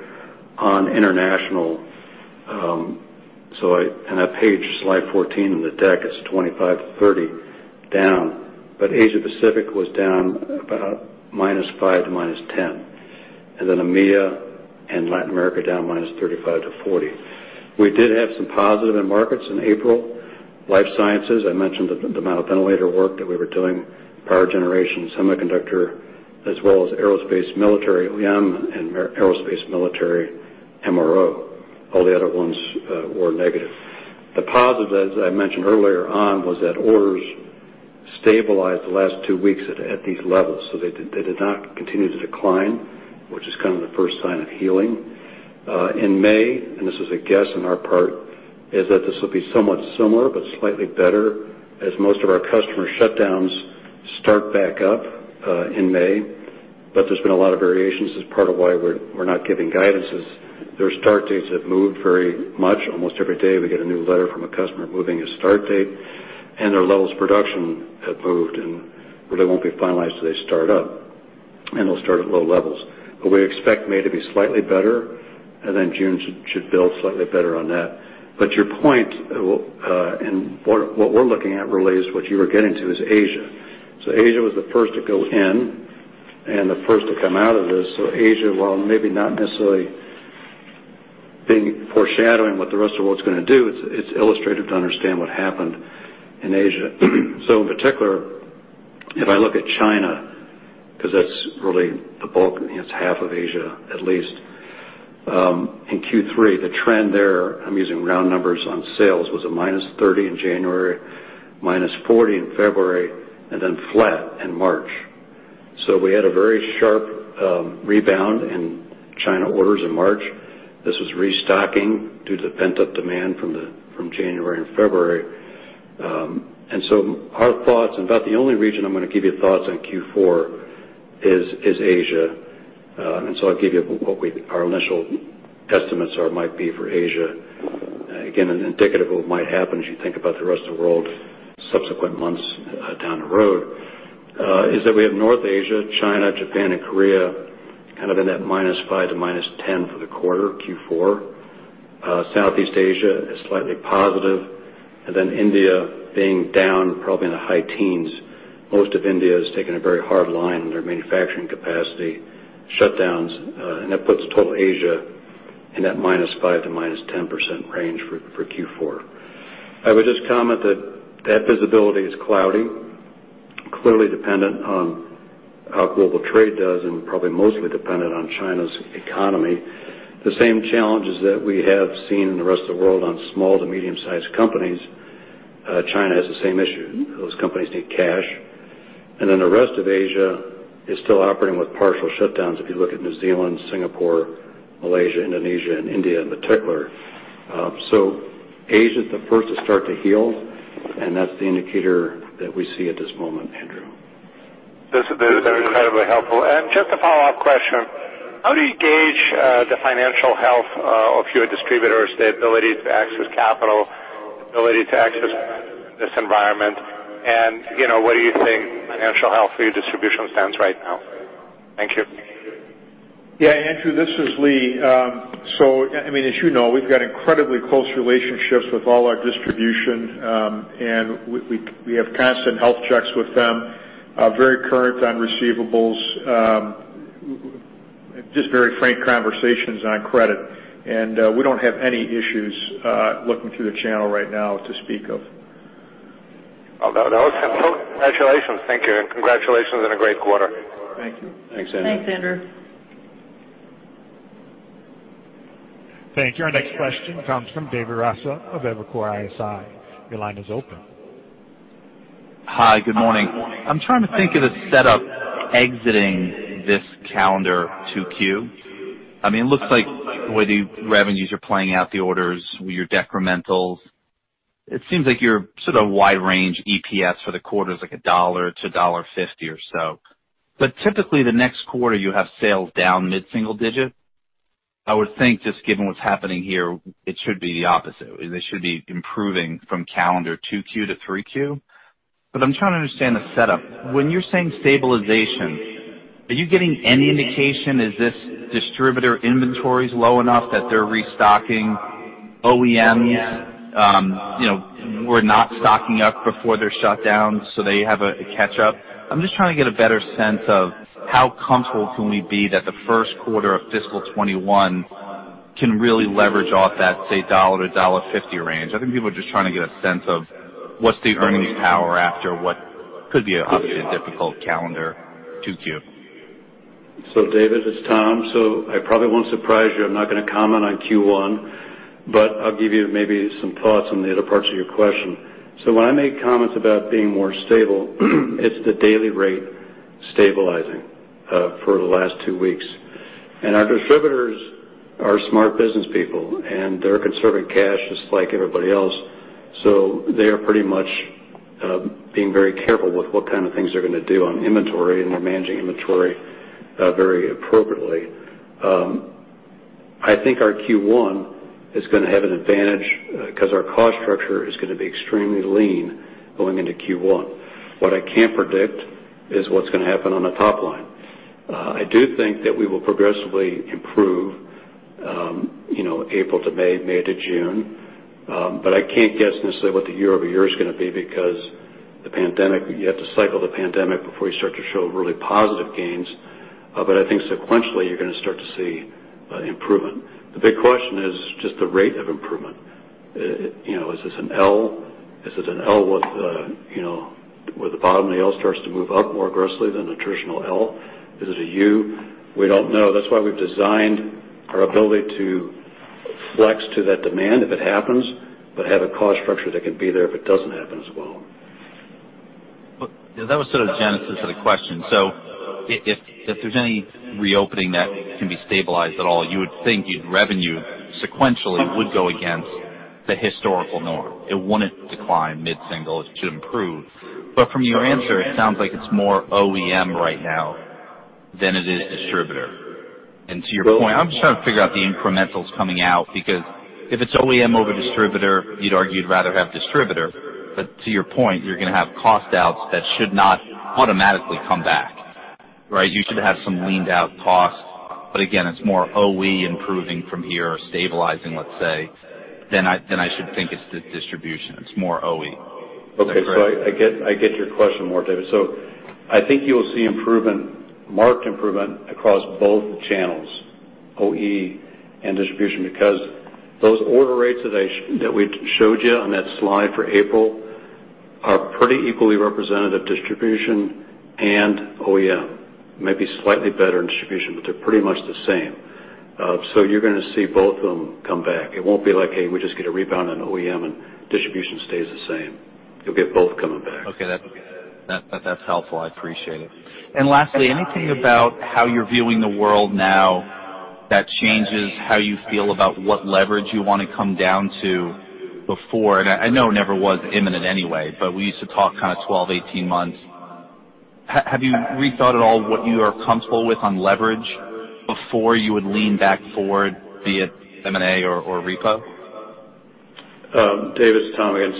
on international. On page slide 14 in the deck, it is 25%-30% down. Asia Pacific was down about -5% to -10%. EMEA and Latin America down -35% to -40%. We did have some positive end markets in April. Life sciences, I mentioned the amount of ventilator work that we were doing, power generation, semiconductor, as well as aerospace military OEM and aerospace military MRO. All the other ones were negative. The positive, as I mentioned earlier on, was that orders stabilized the last two weeks at these levels. They did not continue to decline, which is kind of the first sign of healing. In May, and this is a guess on our part, is that this will be somewhat similar but slightly better as most of our customer shutdowns start back up in May. There's been a lot of variations, that's part of why we're not giving guidance, is their start dates have moved very much. Almost every day, we get a new letter from a customer moving a start date, and their levels of production have moved and really won't be finalized till they start up, and they'll start at low levels. We expect May to be slightly better, and then June should build slightly better on that. Your point, and what we're looking at really, is what you were getting to, is Asia. Asia was the first to go in and the first to come out of this. Asia, while maybe not necessarily foreshadowing what the rest of world's going to do, it's illustrative to understand what happened in Asia. In particular, if I look at China, because that's really the bulk, it's half of Asia, at least. In Q3, the trend there, I'm using round numbers on sales, was a -30% in January, -40% in February, and then flat in March. We had a very sharp rebound in China orders in March. This was restocking due to pent-up demand from January and February. Our thoughts, in about the only region I'm going to give you thoughts on Q4, is Asia. I'll give you what our initial estimates might be for Asia. Again, indicative of what might happen as you think about the rest of the world, subsequent months down the road, is that we have North Asia, China, Japan, and Korea, kind of in that -5% to -10% for the quarter, Q4. Southeast Asia is slightly positive, and then India being down probably in the high teens. Most of India has taken a very hard line on their manufacturing capacity shutdowns, and that puts total Asia in that -5% to -10% range for Q4. I would just comment that that visibility is cloudy, clearly dependent on how global trade does, and probably mostly dependent on China's economy. The same challenges that we have seen in the rest of the world on small to medium-sized companies, China has the same issue. Those companies need cash. The rest of Asia is still operating with partial shutdowns, if you look at New Zealand, Singapore, Malaysia, Indonesia, and India in particular. Asia's the first to start to heal, and that's the indicator that we see at this moment, Andrew. This is incredibly helpful. Just a follow-up question, how do you gauge the financial health of your distributors, the ability to access capital, ability to access this environment, and where do you think financial health for your distribution stands right now? Thank you. Yeah, Andrew, this is Lee. As you know, we've got incredibly close relationships with all our distribution. We have constant health checks with them, very current on receivables. Just very frank conversations on credit. We don't have any issues looking through the channel right now to speak of. Well, that was simple. Congratulations. Thank you, and congratulations on a great quarter. Thank you. Thanks, Andrew. Thanks, Andrew. Thank you. Our next question comes from David Raso of Evercore ISI. Your line is open. Hi. Good morning. I'm trying to think of the setup exiting this calendar 2Q. It looks like the way the revenues are playing out, the orders, your decrementals, it seems like your sort of wide range EPS for the quarter is like $1-$1.50 or so. Typically, the next quarter, you have sales down mid-single digit. I would think, just given what's happening here, it should be the opposite. They should be improving from calendar 2Q to 3Q. I'm trying to understand the setup. When you're saying stabilization, are you getting any indication? Is this distributor inventories low enough that they're restocking OEMs, were not stocking up before their shutdowns, so they have a catch-up? I'm just trying to get a better sense of how comfortable can we be that the first quarter of fiscal 2021 can really leverage off that, say, $1-$1.50 range. I think people are just trying to get a sense of what's the earnings power after what could be obviously a difficult calendar 2Q. David, it's Tom. I probably won't surprise you. I'm not going to comment on Q1, but I'll give you maybe some thoughts on the other parts of your question. When I make comments about being more stable, it's the daily rate stabilizing for the last two weeks. Our distributors are smart business people, and they're conserving cash just like everybody else. They are pretty much being very careful with what kind of things they're going to do on inventory, and they're managing inventory very appropriately. I think our Q1 is going to have an advantage because our cost structure is going to be extremely lean going into Q1. What I can't predict is what's going to happen on the top line. I do think that we will progressively improve, April to May to June. I can't guess necessarily what the year-over-year is going to be because the pandemic, you have to cycle the pandemic before you start to show really positive gains. I think sequentially, you're going to start to see improvement. The big question is just the rate of improvement. Is this an L? Is this an L where the bottom of the L starts to move up more aggressively than a traditional L? Is it a U? We don't know. That's why we've designed our ability to flex to that demand if it happens, but have a cost structure that can be there if it doesn't happen as well. That was sort of the genesis of the question. If there's any reopening that can be stabilized at all, you would think revenue sequentially would go against the historical norm. It wouldn't decline mid-single. It should improve. From your answer, it sounds like it's more OEM right now than it is distributor. To your point, I'm just trying to figure out the incrementals coming out, because if it's OEM over distributor, you'd argue you'd rather have distributor. To your point, you're going to have cost outs that should not automatically come back. Right? You should have some leaned out costs. Again, it's more OE improving from here or stabilizing, let's say, than I should think it's the distribution. It's more OE. Okay. I get your question more, David. I think you will see marked improvement across both channels, OE and distribution, because those order rates that we showed you on that slide for April are pretty equally representative distribution and OEM. Maybe slightly better in distribution, but they're pretty much the same. You're going to see both of them come back. It won't be like, hey, we just get a rebound on OEM and distribution stays the same. You'll get both coming back. Okay. That's helpful. I appreciate it. Lastly, anything about how you're viewing the world now that changes how you feel about what leverage you want to come down to before? I know it never was imminent anyway, but we used to talk kind of 12months, 18 months. Have you rethought at all what you are comfortable with on leverage before you would lean back forward, be it M&A or repo? David, it's Tom again.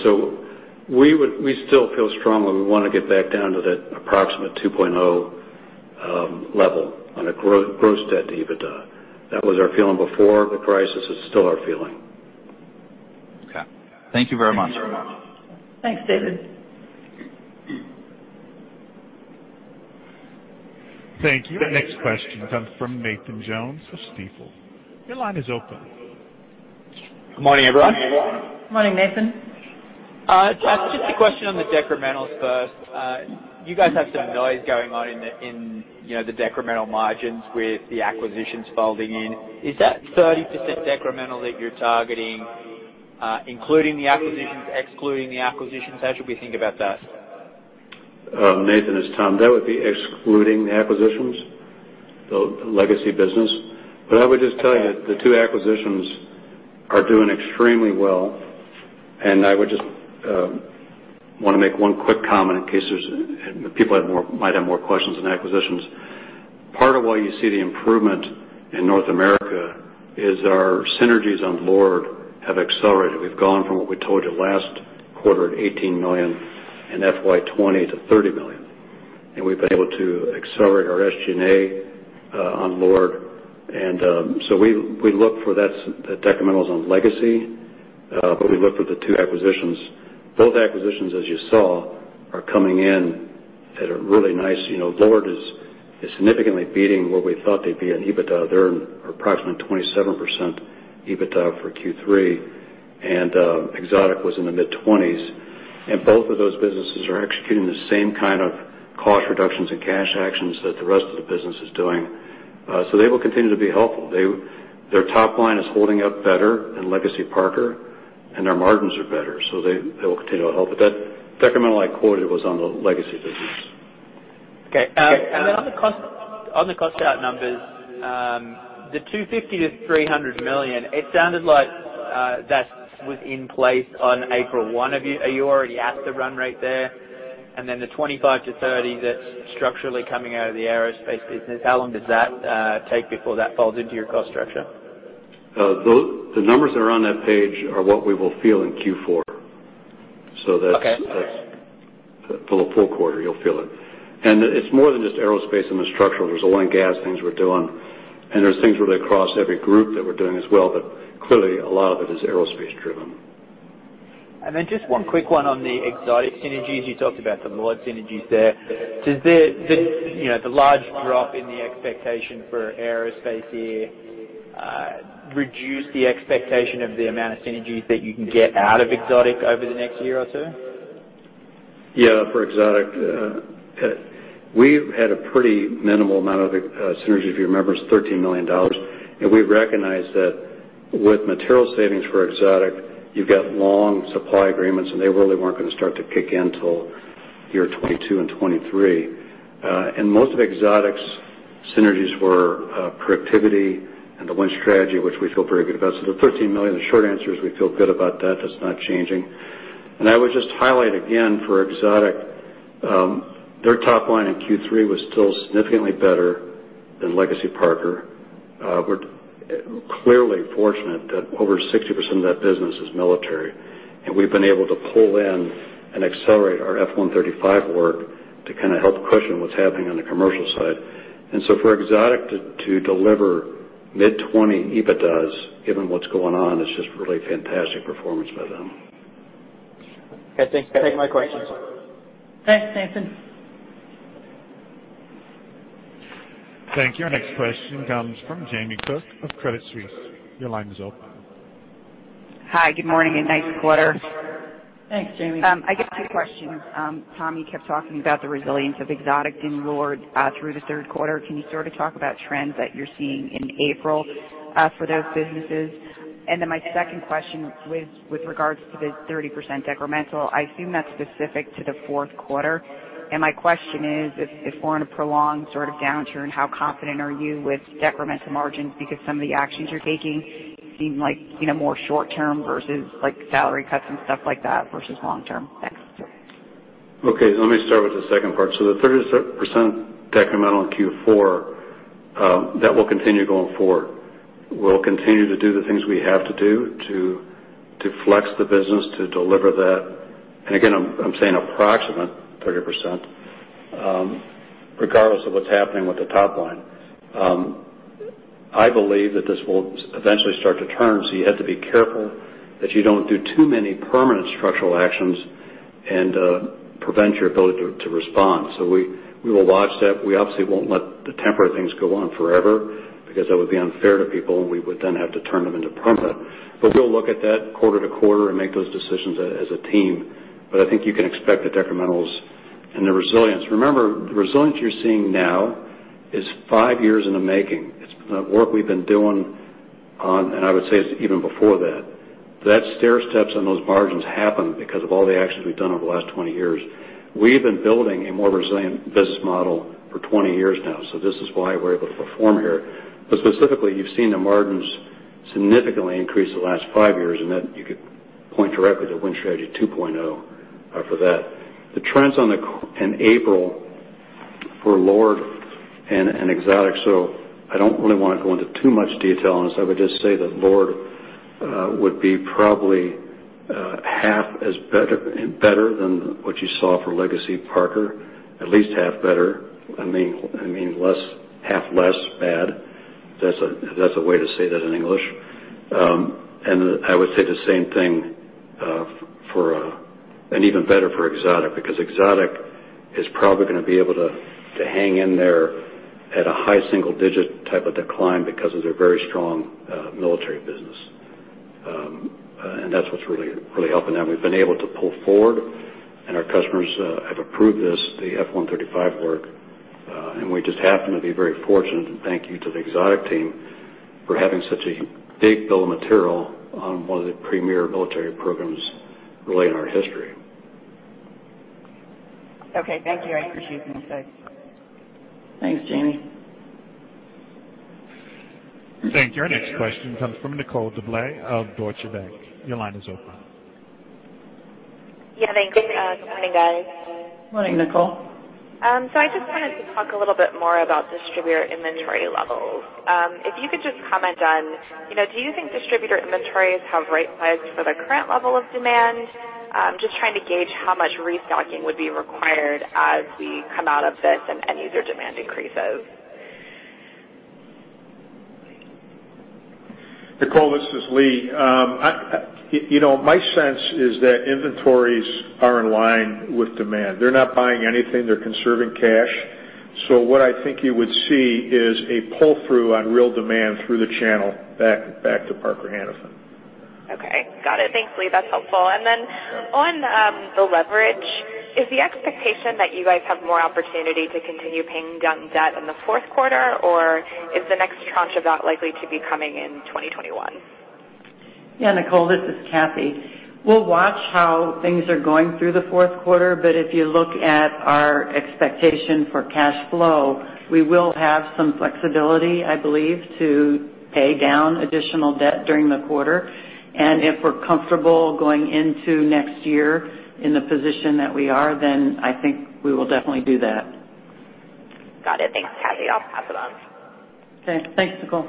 We still feel strongly we want to get back down to that approximate 2.0 level on a gross debt to EBITDA. That was our feeling before the crisis. It's still our feeling. Okay. Thank you very much. Thanks, David. Thank you. The next question comes from Nathan Jones of Stifel. Your line is open. Good morning, everyone. Morning, Nathan. Just a question on the decrementals first. You guys have some noise going on in the decremental margins with the acquisitions folding in. Is that 30% decremental that you're targeting including the acquisitions, excluding the acquisitions? How should we think about that? Nathan, it's Tom. That would be excluding the acquisitions, the legacy business. I would just tell you that the two acquisitions are doing extremely well, and I would just want to make one quick comment in case people might have more questions on acquisitions. Part of why you see the improvement in North America is our synergies on LORD have accelerated. We've gone from what we told you last quarter at $18 million in FY 2020 to $30 million, and we've been able to accelerate our SG&A on LORD. We look for that decrementals on legacy, but we look for the two acquisitions. Both acquisitions, as you saw, are coming in. LORD is significantly beating what we thought they'd be in EBITDA. They earned approximately 27% EBITDA for Q3. Exotic was in the mid-20s. Both of those businesses are executing the same kind of cost reductions and cash actions that the rest of the business is doing. They will continue to be helpful. Their top line is holding up better than Legacy Parker. Their margins are better. They will continue to help. That decremental I quoted was on the legacy business. Okay. On the cost out numbers, the $250 million-$300 million, it sounded like that was in place on April 1. Are you already at the run rate there? The $25 million-$30 million that's structurally coming out of the Aerospace business, how long does that take before that falls into your cost structure? The numbers that are on that page are what we will feel in Q4. Okay. Full quarter, you'll feel it. It's more than just Aerospace and the structural. There's oil and gas things we're doing, and there's things really across every group that we're doing as well. Clearly, a lot of it is Aerospace driven. Just one quick one on the Exotic synergies. You talked about the LORD synergies there. Does the large drop in the expectation for Aerospace here reduce the expectation of the amount of synergies that you can get out of Exotic over the next year or two? Yeah. For Exotic, we've had a pretty minimal amount of synergy. If you remember, it's $13 million. We've recognized that with material savings for Exotic, you've got long supply agreements, and they really weren't going to start to kick in till year 2022 and 2023. Most of Exotic's synergies were productivity and the Win Strategy, which we feel very good about. The $13 million, the short answer is we feel good about that. That's not changing. I would just highlight again for Exotic, their top line in Q3 was still significantly better than Legacy Parker. We're clearly fortunate that over 60% of that business is military, and we've been able to pull in and accelerate our F135 work to kind of help cushion what's happening on the commercial side. For Exotic to deliver mid-20 EBITDAs, given what's going on, is just really fantastic performance by them. Okay. Thanks for taking my questions. Thanks, Nathan. Thank you. Our next question comes from Jamie Cook of Credit Suisse. Your line is open. Hi. Good morning and nice quarter. Thanks, Jamie. I got two questions. Tom, you kept talking about the resilience of Exotic and LORD through the third quarter. Can you sort of talk about trends that you're seeing in April for those businesses? My second question, with regards to the 30% decremental, I assume that's specific to the fourth quarter. My question is, if we're in a prolonged sort of downturn, how confident are you with decremental margins because some of the actions you're taking seem more short-term versus salary cuts and stuff like that versus long-term? Thanks. Okay. Let me start with the second part. The 30% decremental in Q4, that will continue going forward. We'll continue to do the things we have to do to flex the business to deliver that. Again, I'm saying approximate 30%, regardless of what's happening with the top line. I believe that this will eventually start to turn, so you have to be careful that you don't do too many permanent structural actions and prevent your ability to respond. We will watch that. We obviously won't let the temporary things go on forever, because that would be unfair to people, and we would then have to turn them into permanent. We'll look at that quarter to quarter and make those decisions as a team. I think you can expect the decrementals and the resilience. Remember, the resilience you're seeing now is five years in the making. It's the work we've been doing on, and I would say even before that. That stairsteps and those margins happen because of all the actions we've done over the last 20 years. We've been building a more resilient business model for 20 years now, this is why we're able to perform here. Specifically, you've seen the margins significantly increase the last five years, that you could point directly to Win Strategy 2.0 for that. The trends in April for LORD and Exotic. I don't really want to go into too much detail on this. I would just say that LORD would be probably half as better than what you saw for Legacy Parker, at least half better. I mean, half less bad. If that's a way to say that in English. I would say the same thing, and even better for Exotic, because Exotic is probably going to be able to hang in there at a high single-digit type of decline because of their very strong military business. That's what's really helping them. We've been able to pull forward, and our customers have approved this, the F135 work. We just happen to be very fortunate, and thank you to the Exotic team for having such a big bill of material on one of the premier military programs late in our history. Okay, thank you. I appreciate the insight. Thanks, Jamie. Thank you. Our next question comes from Nicole DeBlase of Deutsche Bank. Your line is open. Yeah. Thanks. Good morning, guys. Morning, Nicole. I just wanted to talk a little bit more about distributor inventory levels. If you could just comment on, do you think distributor inventories have right size for the current level of demand? Just trying to gauge how much restocking would be required as we come out of this and end-user demand increases. Nicole, this is Lee. My sense is that inventories are in line with demand. They're not buying anything. They're conserving cash. What I think you would see is a pull-through on real demand through the channel back to Parker-Hannifin. Okay. Got it. Thanks, Lee. That's helpful. On the leverage, is the expectation that you guys have more opportunity to continue paying down debt in the fourth quarter, or is the next tranche of that likely to be coming in 2021? Yeah, Nicole, this is Cathy. We'll watch how things are going through the fourth quarter, but if you look at our expectation for cash flow, we will have some flexibility, I believe, to pay down additional debt during the quarter. If we're comfortable going into next year in the position that we are, then I think we will definitely do that. Got it. Thanks, Cathy. I'll pass it on. Okay. Thanks, Nicole.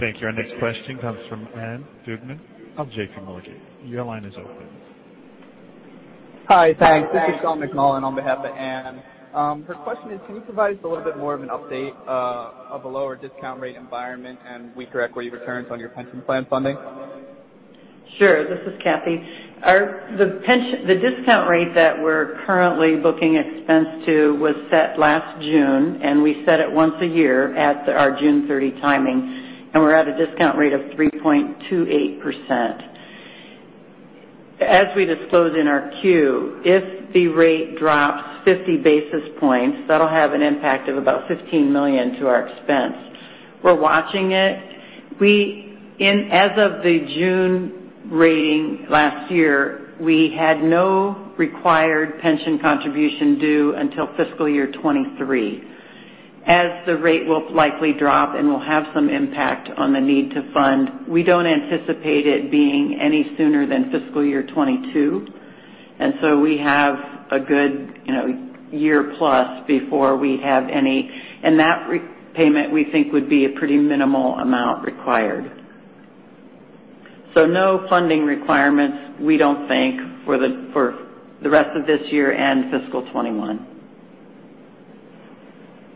Thank you. Our next question comes from Ann Duignan of JPMorgan. Your line is open. Hi. Thanks. This is Sean McMullan on behalf of Ann. Her question is, can you provide us a little bit more of an update of the lower discount rate environment and weak equity returns on your pension plan funding? Sure. This is Cathy. The discount rate that we're currently booking expense to was set last June. We set it once a year at our June 30 timing. We're at a discount rate of 3.28%. As we disclose in our Q, if the rate drops 50 basis points, that'll have an impact of about $15 million to our expense. We're watching it. As of the June rating last year, we had no required pension contribution due until fiscal year 2023. As the rate will likely drop and will have some impact on the need to fund, we don't anticipate it being any sooner than fiscal year 2022. We have a good year plus before we have any. That repayment, we think, would be a pretty minimal amount required. No funding requirements, we don't think, for the rest of this year and fiscal 2021.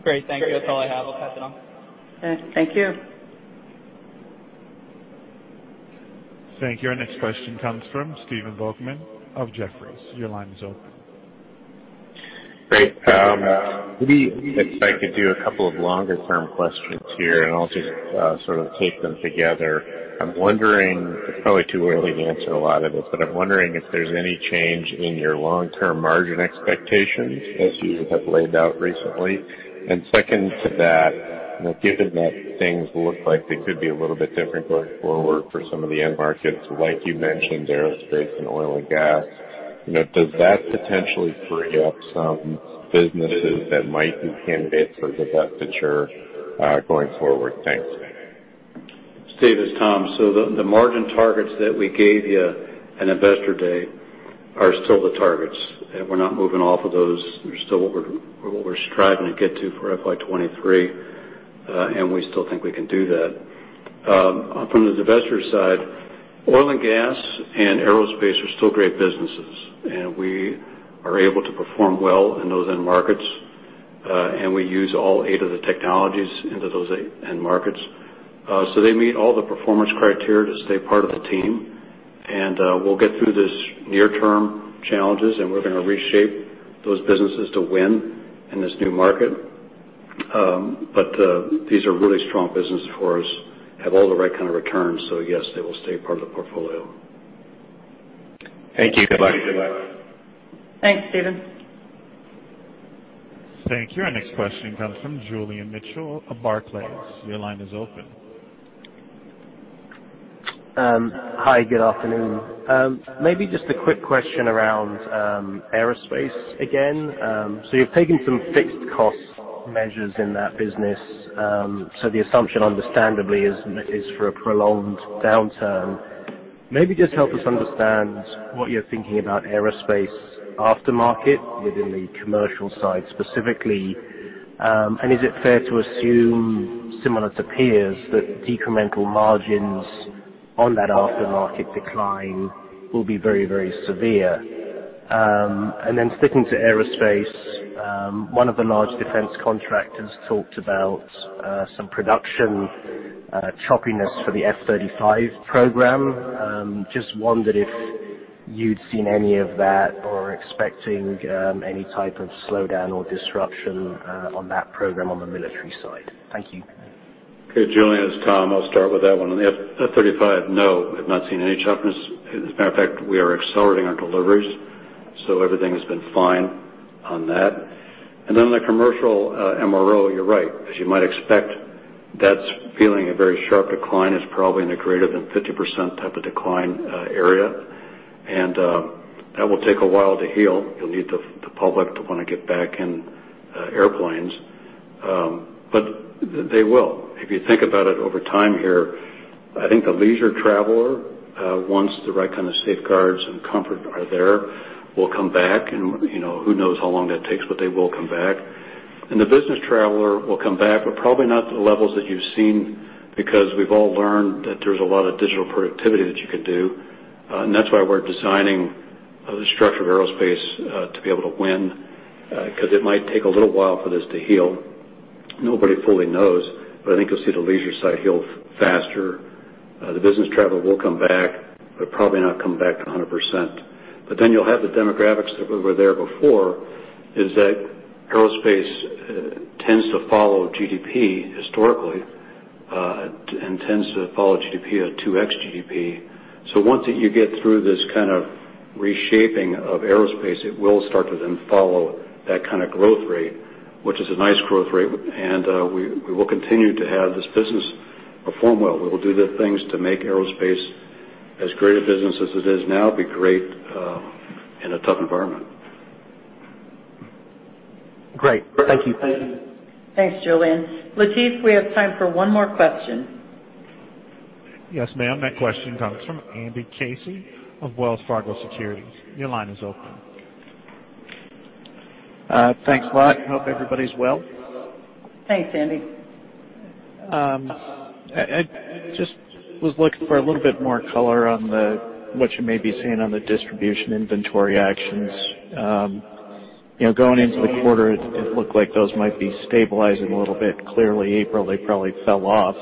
Great. Thank you. That's all I have. I'll pass it on. Okay. Thank you. Thank you. Our next question comes from Stephen Volkmann of Jefferies. Your line is open. Great. Maybe if I could do a couple of longer term questions here. I'll just sort of take them together. It's probably too early to answer a lot of it, but I'm wondering if there's any change in your long-term margin expectations as you have laid out recently. Second to that, given that things look like they could be a little bit different going forward for some of the end markets, like you mentioned, aerospace and oil and gas, does that potentially free up some businesses that might be candidates for divestiture, going forward? Thanks. Steve, it's Tom. The margin targets that we gave you in investor day are still the targets, and we're not moving off of those. They're still what we're striving to get to for FY 2023. We still think we can do that. From the divestiture side, oil and gas and aerospace are still great businesses, we are able to perform well in those end markets. We use all eight of the technologies into those end markets. They meet all the performance criteria to stay part of the team. We'll get through this near-term challenges, and we're going to reshape those businesses to win in this new market. These are really strong businesses for us, have all the right kind of returns. Yes, they will stay part of the portfolio. Thank you. Good luck. Thanks, Stephen. Thank you. Our next question comes from Julian Mitchell of Barclays. Your line is open. Hi, good afternoon. Maybe just a quick question around Aerospace again. You're taking some fixed cost measures in that business, so the assumption, understandably, is for a prolonged downturn. Maybe just help us understand what you're thinking about Aerospace aftermarket within the commercial side specifically. Is it fair to assume, similar to peers, that decremental margins on that aftermarket decline will be very, very severe? Then sticking to Aerospace, one of the large defense contractors talked about some production choppiness for the F-35 program. Just wondered if you'd seen any of that or are expecting any type of slowdown or disruption on that program on the military side. Thank you. Okay, Julian, it's Tom. I'll start with that one. On the F-35, no, I've not seen any choppiness. As a matter of fact, we are accelerating our deliveries, so everything has been fine on that. On the commercial MRO, you're right. As you might expect, that's feeling a very sharp decline. It's probably in the greater than 50% type of decline area, and that will take a while to heal. You'll need the public to want to get back in airplanes. They will. If you think about it over time here, I think the leisure traveler, once the right kind of safeguards and comfort are there, will come back, and who knows how long that takes, but they will come back. The business traveler will come back, but probably not to the levels that you've seen, because we've all learned that there's a lot of digital productivity that you can do. That's why we're designing the structure of Aerospace to be able to win, because it might take a little while for this to heal. Nobody fully knows, but I think you'll see the leisure side heal faster. The business traveler will come back, but probably not come back to 100%. Then you'll have the demographics that were there before, is that Aerospace tends to follow GDP historically, and tends to follow GDP at 2X GDP. Once you get through this kind of reshaping of Aerospace, it will start to then follow that kind of growth rate, which is a nice growth rate, and we will continue to have this business perform well. We will do the things to make Aerospace as great a business as it is now, be great in a tough environment. Great. Thank you. Thanks, Julian. Latif, we have time for one more question. Yes, ma'am. That question comes from Andy Casey of Wells Fargo Securities. Your line is open. Thanks a lot. Hope everybody's well. Thanks, Andy. I just was looking for a little bit more color on what you may be seeing on the distribution inventory actions. Going into the quarter, it looked like those might be stabilizing a little bit. Clearly April they probably fell off.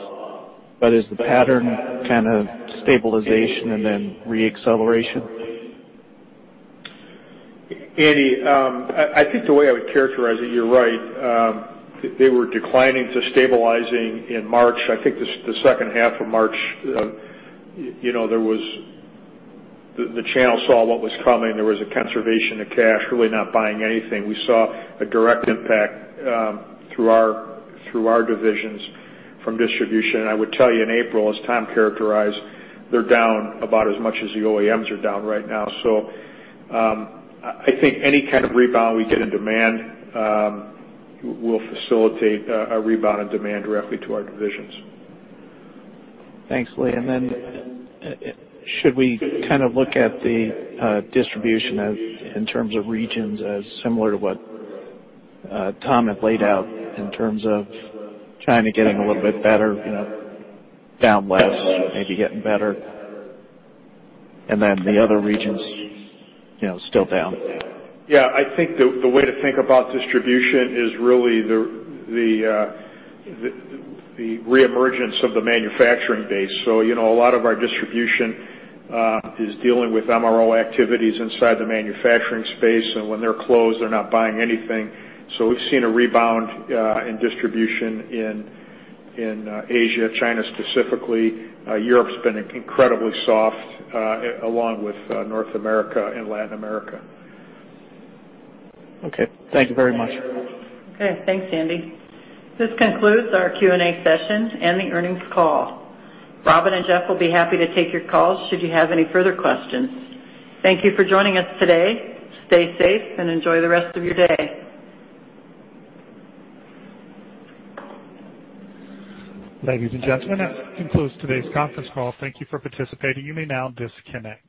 Is the pattern kind of stabilization and then re-acceleration? Andy, I think the way I would characterize it, you're right. They were declining to stabilizing in March. I think the second half of March, the channel saw what was coming. There was a conservation of cash, really not buying anything. We saw a direct impact through our divisions from distribution. I would tell you in April, as Tom characterized, they're down about as much as the OEMs are down right now. I think any kind of rebound we get in demand will facilitate a rebound in demand directly to our divisions. Thanks, Lee. Then should we kind of look at the distribution in terms of regions as similar to what Tom had laid out in terms of China getting a little bit better, down less, maybe getting better, and then the other regions still down? Yeah. I think the way to think about distribution is really the reemergence of the manufacturing base. A lot of our distribution is dealing with MRO activities inside the manufacturing space, and when they're closed, they're not buying anything. We've seen a rebound in distribution in Asia, China specifically. Europe's been incredibly soft, along with North America and Latin America. Okay. Thank you very much. Okay. Thanks, Andy. This concludes our Q&A session and the earnings call. Robin and Jeff will be happy to take your calls should you have any further questions. Thank you for joining us today. Stay safe and enjoy the rest of your day. Ladies and gentlemen, that concludes today's conference call. Thank you for participating. You may now disconnect.